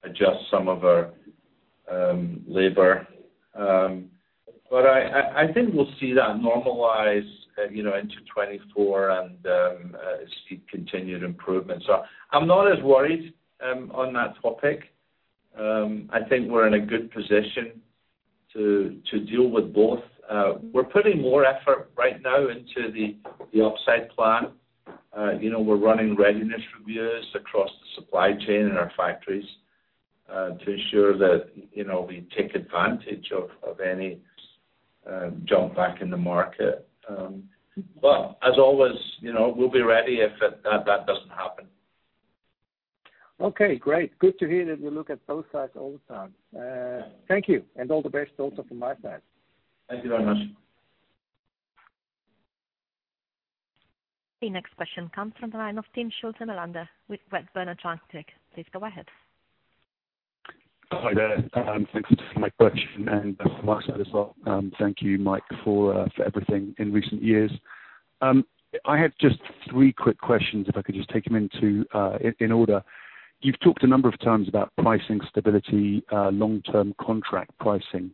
adjust some of our labor. But I think we'll see that normalize, you know, into 2024 and see continued improvement. So I'm not as worried on that topic. I think we're in a good position to deal with both. We're putting more effort right now into the upside plan. You know, we're running readiness reviews across the supply chain in our factories to ensure that, you know, we take advantage of any jump back in the market. But as always, you know, we'll be ready if that doesn't happen. Okay, great. Good to hear that you look at both sides all the time. Thank you, and all the best also from my side. Thank you very much. The next question comes from the line of Timm Schulze-Melander with Redburn Atlantic. Please go ahead. Hi there. Thanks for my question and from my side as well. Thank you, Mike, for everything in recent years. I had just three quick questions, if I could just take them in order. You've talked a number of times about pricing stability, long-term contract pricing.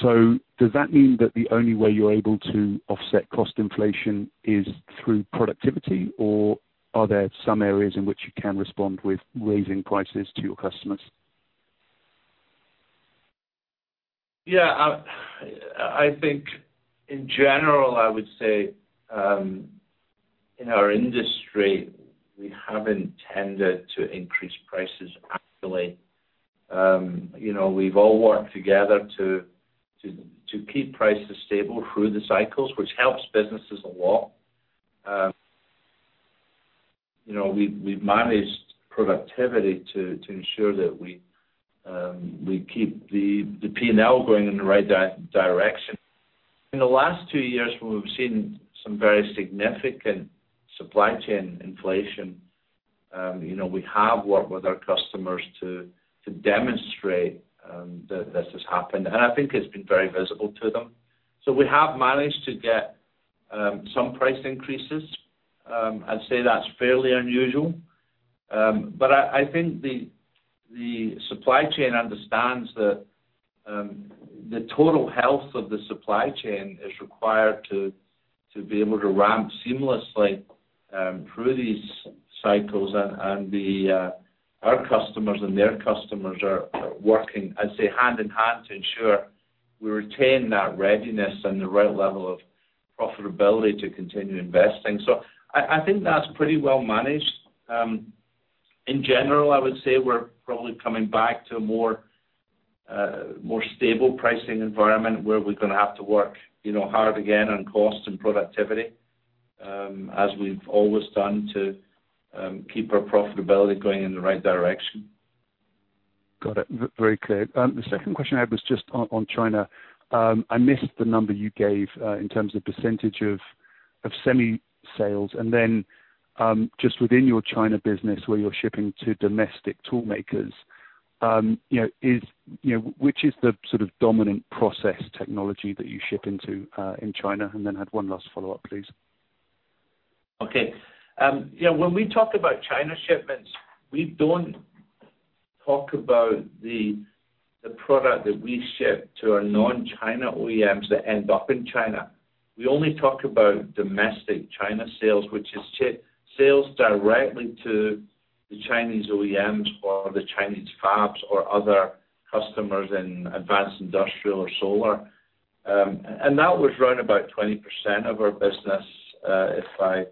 So does that mean that the only way you're able to offset cost inflation is through productivity, or are there some areas in which you can respond with raising prices to your customers? Yeah. I think in general, I would say, in our industry, we haven't tended to increase prices annually. You know, we've all worked together to keep prices stable through the cycles, which helps businesses a lot. You know, we've managed productivity to ensure that we keep the P&L going in the right direction. In the last two years, we've seen some very significant supply chain inflation. You know, we have worked with our customers to demonstrate that this has happened, and I think it's been very visible to them. So we have managed to get some price increases. I'd say that's fairly unusual. But I think the supply chain understands that the total health of the supply chain is required to be able to ramp seamlessly through these cycles, and our customers and their customers are working, I'd say, hand in hand, to ensure we retain that readiness and the right level of profitability to continue investing. So I think that's pretty well managed. In general, I would say we're probably coming back to a more stable pricing environment, where we're gonna have to work, you know, hard again on cost and productivity, as we've always done to keep our profitability going in the right direction. Got it. Very clear. The second question I had was just on China. I missed the number you gave in terms of percentage of semi sales. And then, just within your China business, where you're shipping to domestic tool makers, you know, which is the sort of dominant process technology that you ship into in China? And then had one last follow-up, please. Okay. Yeah, when we talk about China shipments, we don't talk about the product that we ship to our non-China OEMs that end up in China. We only talk about domestic China sales, which is sales directly to the Chinese OEMs or the Chinese fabs or other customers in advanced industrial or solar. That was around about 20% of our business, if I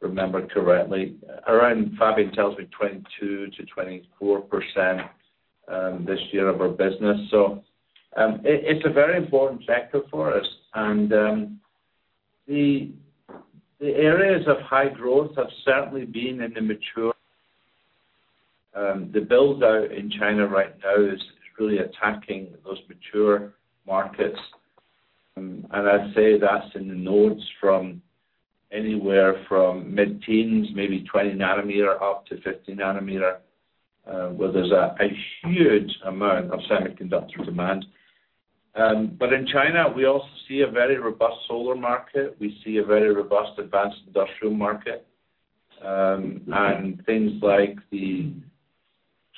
remember correctly. Around, Fabian tells me 22%-24%, this year of our business. It's a very important sector for us. The areas of high growth have certainly been in the mature. The build-out in China right now is really attacking those mature markets. I'd say that's in the nodes from anywhere from mid-teens, maybe 20 nanometer, up to 50 nanometer, where there's a huge amount of semiconductor demand. In China, we also see a very robust solar market. We see a very robust advanced industrial market, and things like the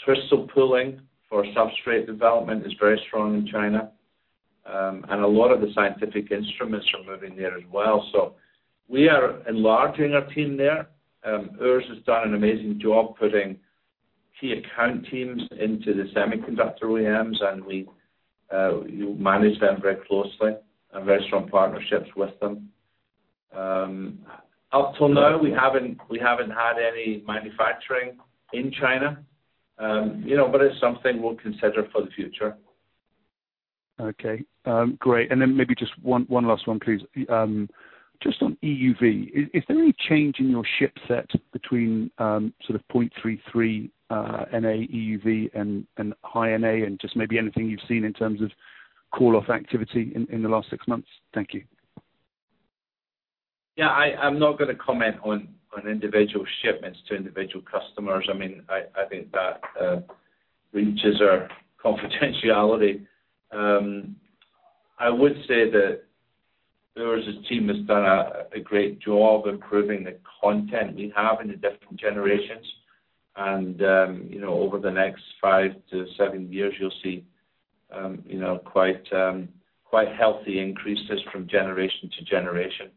crystal pulling for substrate development is very strong in China. A lot of the scientific instruments are moving there as well. We are enlarging our team there. Urs has done an amazing job putting key account teams into the semiconductor OEMs, and we manage them very closely and have very strong partnerships with them. Up till now, we haven't had any manufacturing in China, you know, but it's something we'll consider for the future. Okay. Great. Maybe just one last one, please. Just on EUV, is there any change in your ship set between sort of 0.33 NA EUV and high NA? Just maybe anything you've seen in terms of call-off activity in the last six months? Thank you. Yeah, I'm not gonna comment on individual shipments to individual customers. I mean, I think that reaches our confidentiality. I would say that Urs's team has done a great job improving the content we have in the different generations. And you know, over the next five to seven years, you'll see you know, quite healthy increases from generation to generation.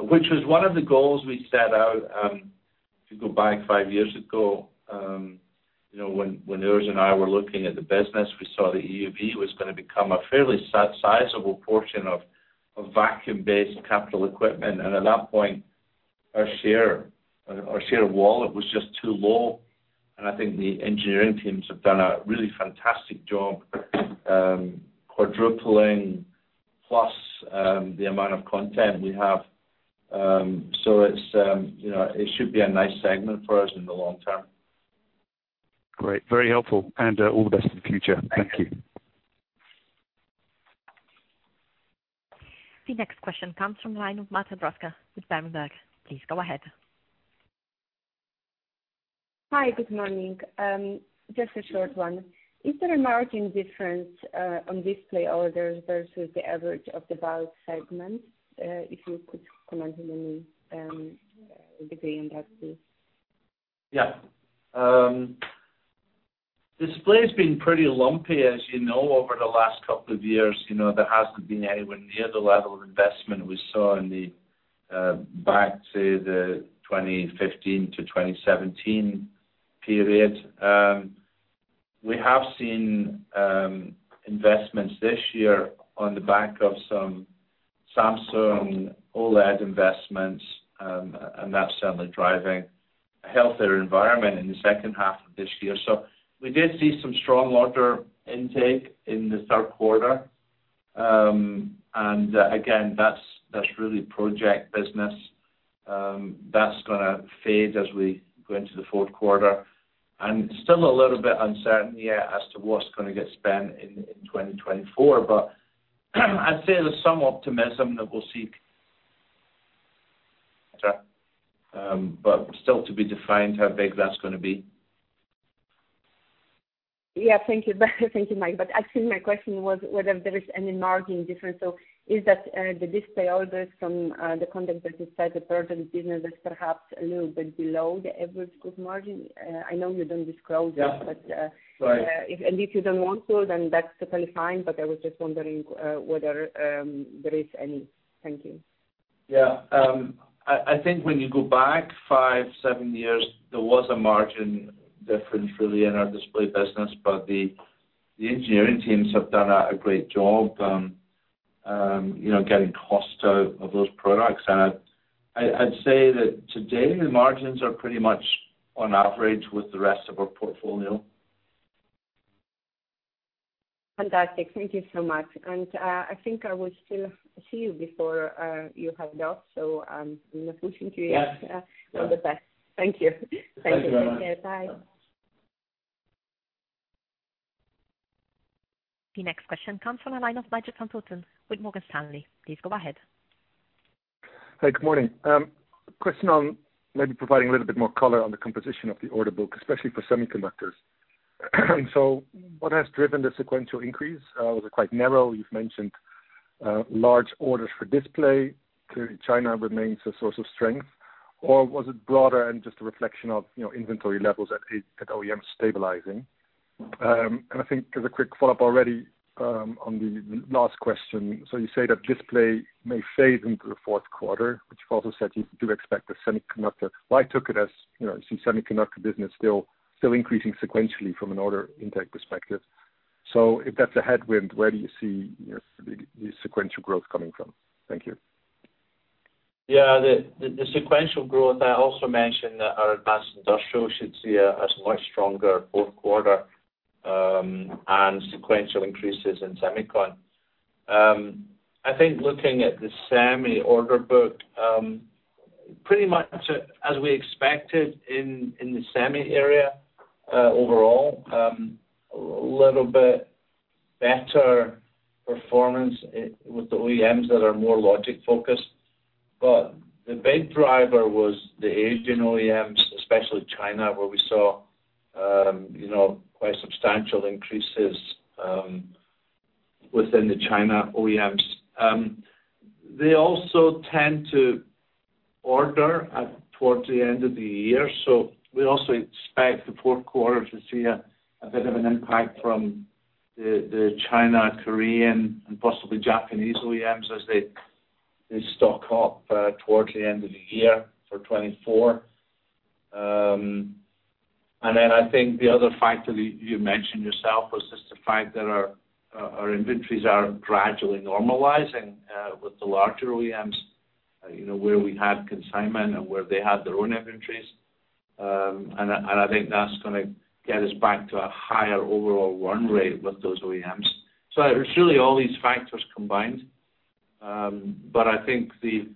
Which was one of the goals we set out, if you go back 5 years ago, you know, when Urs and I were looking at the business, we saw that EUV was gonna become a fairly sizable portion of vacuum-based capital equipment. At that point, our share, our share wallet was just too low, and I think the engineering teams have done a really fantastic job, quadrupling plus, the amount of content we have. So it's, you know, it should be a nice segment for us in the long term. Great. Very helpful, and all the best in the future. Thank you. Thank you. The next question comes from the line of [Marta Bruska]. Please go ahead. Hi, good morning. Just a short one. Is there a margin difference on display orders versus the average of the bulk segment? If you could comment on the degree in that, please. Yeah. Display's been pretty lumpy, as you know, over the last couple of years. You know, there hasn't been anywhere near the level of investment we saw in the, back to the 2015 to 2017 period. We have seen, investments this year on the back of some Samsung OLED investments, and that's certainly driving a healthier environment in the second half of this year. So we did see some strong order intake in the third quarter. And, again, that's, that's really project business. That's gonna fade as we go into the fourth quarter. And still a little bit uncertain, yeah, as to what's gonna get spent in, in 2024. But I'd say there's some optimism that we'll see... But still to be defined, how big that's gonna be. Yeah. Thank you. Thank you, Mike. But actually, my question was whether there is any margin difference, so is that, the display orders from, the content that is inside the business is perhaps a little bit below the average group margin? I know you don't disclose it- Yeah. But, uh- Right. If and if you don't want to, then that's totally fine, but I was just wondering, whether there is any. Thank you. Yeah. I think when you go back five, seven years, there was a margin difference really in our display business, but the engineering teams have done a great job, you know, getting cost out of those products. And I'd say that today, the margins are pretty much on average with the rest of our portfolio. Fantastic. Thank you so much. And, I think I will still see you before you head off. So, you know, pushing you all the best. Thank you. Yes. Thank you very much. Bye. The next question comes from the line of Nigel van Putten with Morgan Stanley. Please go ahead. Hey, good morning. Question on maybe providing a little bit more color on the composition of the order book, especially for semiconductors. What has driven the sequential increase? Was it quite narrow? You've mentioned large orders for display, clearly China remains a source of strength, or was it broader and just a reflection of, you know, inventory levels at OEM stabilizing? I think as a quick follow-up already, on the last question, you say that display may fade into the fourth quarter, but you've also said you do expect the semiconductor. Well, I took it as, you know, I see semiconductor business still, still increasing sequentially from an order intake perspective. If that's a headwind, where do you see the sequential growth coming from? Thank you. Yeah, the sequential growth, I also mentioned that our advanced industrial should see a much stronger fourth quarter, and sequential increases in semicon. I think looking at the semi order book, pretty much as we expected in the semi area, overall, a little bit better performance with the OEMs that are more logic focused. The big driver was the Asian OEMs, especially China, where we saw, you know, quite substantial increases, within the China OEMs. They also tend to order towards the end of the year, so we also expect the fourth quarter to see a bit of an impact from the China, Korean, and possibly Japanese OEMs as they stock up towards the end of the year for 2024. And then I think the other factor that you mentioned yourself was just the fact that our inventories are gradually normalizing with the larger OEMs, you know, where we had consignment and where they had their own inventories. And I think that's gonna get us back to a higher overall run rate with those OEMs. So it's really all these factors combined. But I think the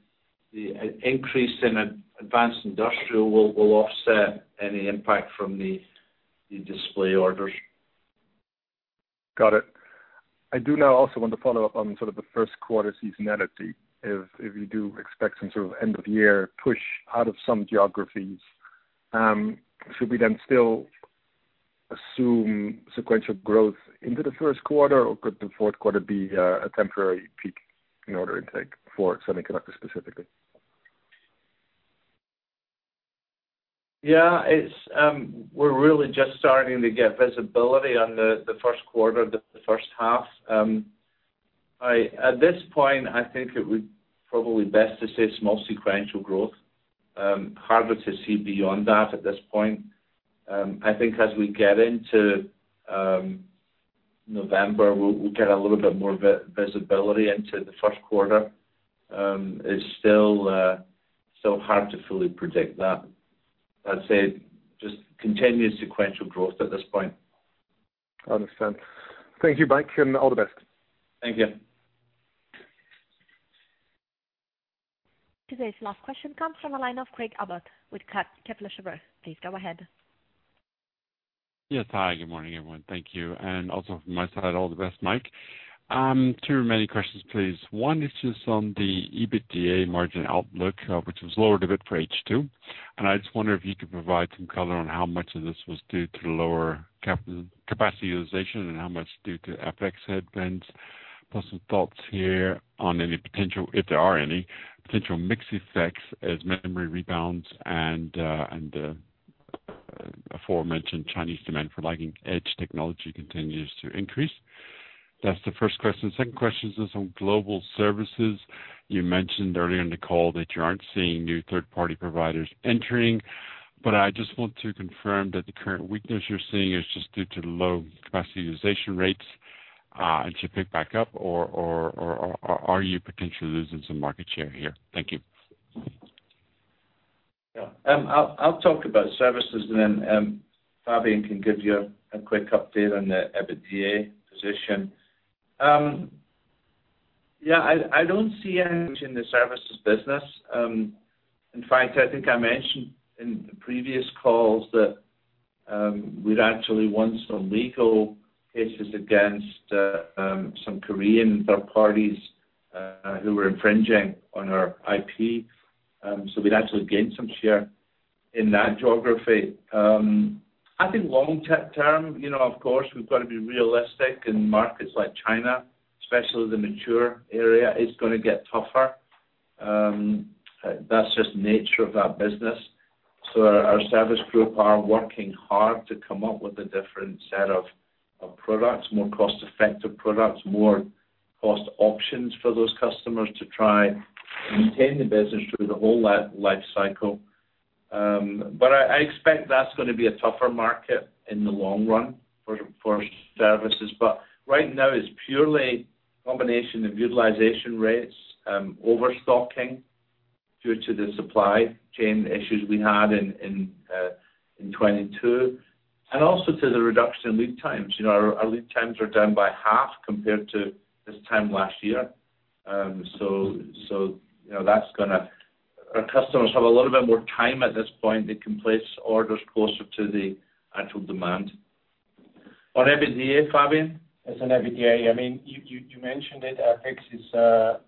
increase in advanced industrial will offset any impact from the display orders. Got it. I do now also want to follow up on sort of the first quarter seasonality. If you do expect some sort of end-of-year push out of some geographies, should we then still assume sequential growth into the first quarter? Or could the fourth quarter be a temporary peak in order intake for semiconductor, specifically? Yeah, it's. We're really just starting to get visibility on the first quarter, the first half. At this point, I think it would probably best to say it's mostly sequential growth. Harder to see beyond that at this point. I think as we get into November, we'll get a little bit more visibility into the first quarter. It's still hard to fully predict that. I'd say just continuous sequential growth at this point. I understand. Thank you, Mike, and all the best. Thank you. Today's last question comes from a line of Craig Abbott with Kepler Cheuvreux. Please go ahead. Yes, hi, good morning, everyone. Thank you. And also from my side, all the best, Mike. Two remaining questions, please. One is just on the EBITDA margin outlook, which was lowered a bit for H2, and I just wonder if you could provide some color on how much of this was due to the lower capacity utilization and how much due to FX headwinds. Plus, some thoughts here on any potential, if there are any, potential mix effects as memory rebounds and aforementioned Chinese demand for lagging edge technology continues to increase. That's the first question. Second question is on global services. You mentioned earlier in the call that you aren't seeing new third-party providers entering, but I just want to confirm that the current weakness you're seeing is just due to low capacity utilization rates, and should pick back up, or are you potentially losing some market share here? Thank you. Yeah. I'll talk about services and then Fabian can give you a quick update on the EBITDA position. Yeah, I don't see any in the services business. In fact, I think I mentioned in previous calls that we'd actually won some legal cases against some Korean third parties who were infringing on our IP. We'd actually gained some share in that geography. I think long term, you know, of course, we've got to be realistic in markets like China, especially the mature area, is gonna get tougher. That's just the nature of that business. Our service group are working hard to come up with a different set of products, more cost-effective products, more cost options for those customers to try and maintain the business through the whole lifecycle. I expect that's gonna be a tougher market in the long run for services. Right now, it's purely a combination of utilization rates, overstocking due to the supply chain issues we had in 2022, and also to the reduction in lead times. You know, our lead times are down by half compared to this time last year. You know, that's gonna-- Our customers have a little bit more time at this point. They can place orders closer to the actual demand. On EBITDA, Fabian? As an EBITDA, I mean, you mentioned it, FX is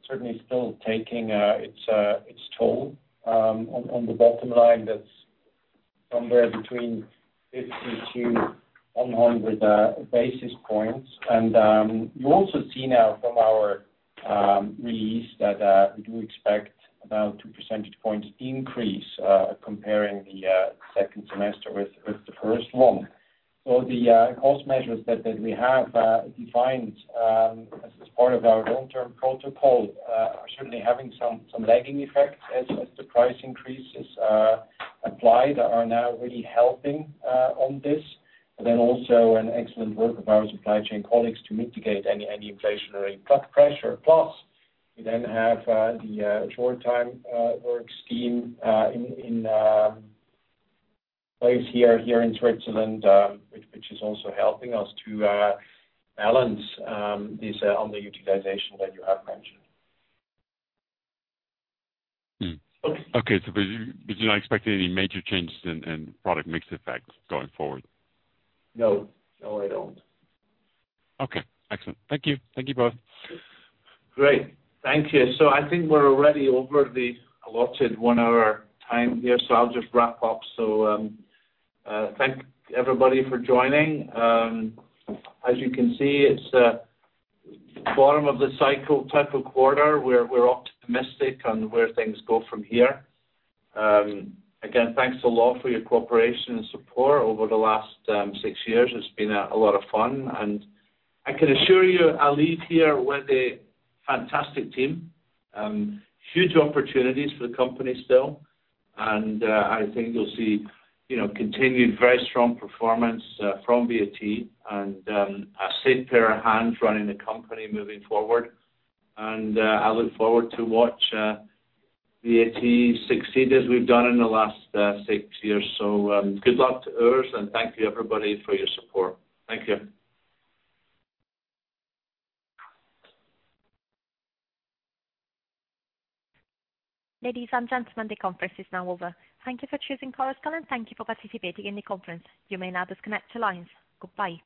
certainly still taking its toll. On the bottom line, that's somewhere between 50-100 basis points. And you also see now from our release that we do expect about 2% points increase, comparing the second semester with the first one. So the cost measures that we have defined as part of our long-term protocol are certainly having some lagging effects as the price increases are applied, are now really helping on this. And then also an excellent work of our supply chain colleagues to mitigate any inflationary cost pressure. Plus, we then have the short-time work scheme in place here in Switzerland, which is also helping us to balance this on the utilization that you have mentioned. Okay. Okay, so, but you're not expecting any major changes in product mix effects going forward? No. No, I don't. Okay, excellent. Thank you. Thank you both. Great. Thank you. So I think we're already over the allotted one-hour time here, so I'll just wrap up. So, thank everybody for joining. As you can see, it's a bottom of the cycle type of quarter. We're optimistic on where things go from here. Again, thanks a lot for your cooperation and support over the last six years. It's been a lot of fun, and I can assure you, I leave here with a fantastic team, huge opportunities for the company still. And I think you'll see, you know, continued very strong performance from VAT and a safe pair of hands running the company moving forward. And I look forward to watch VAT succeed as we've done in the last six years. So, good luck to Urs, and thank you, everybody, for your support. Thank you. Ladies and gentlemen, the conference is now over. Thank you for choosing Chorus Call, and thank you for participating in the conference. You may now disconnect your lines. Goodbye.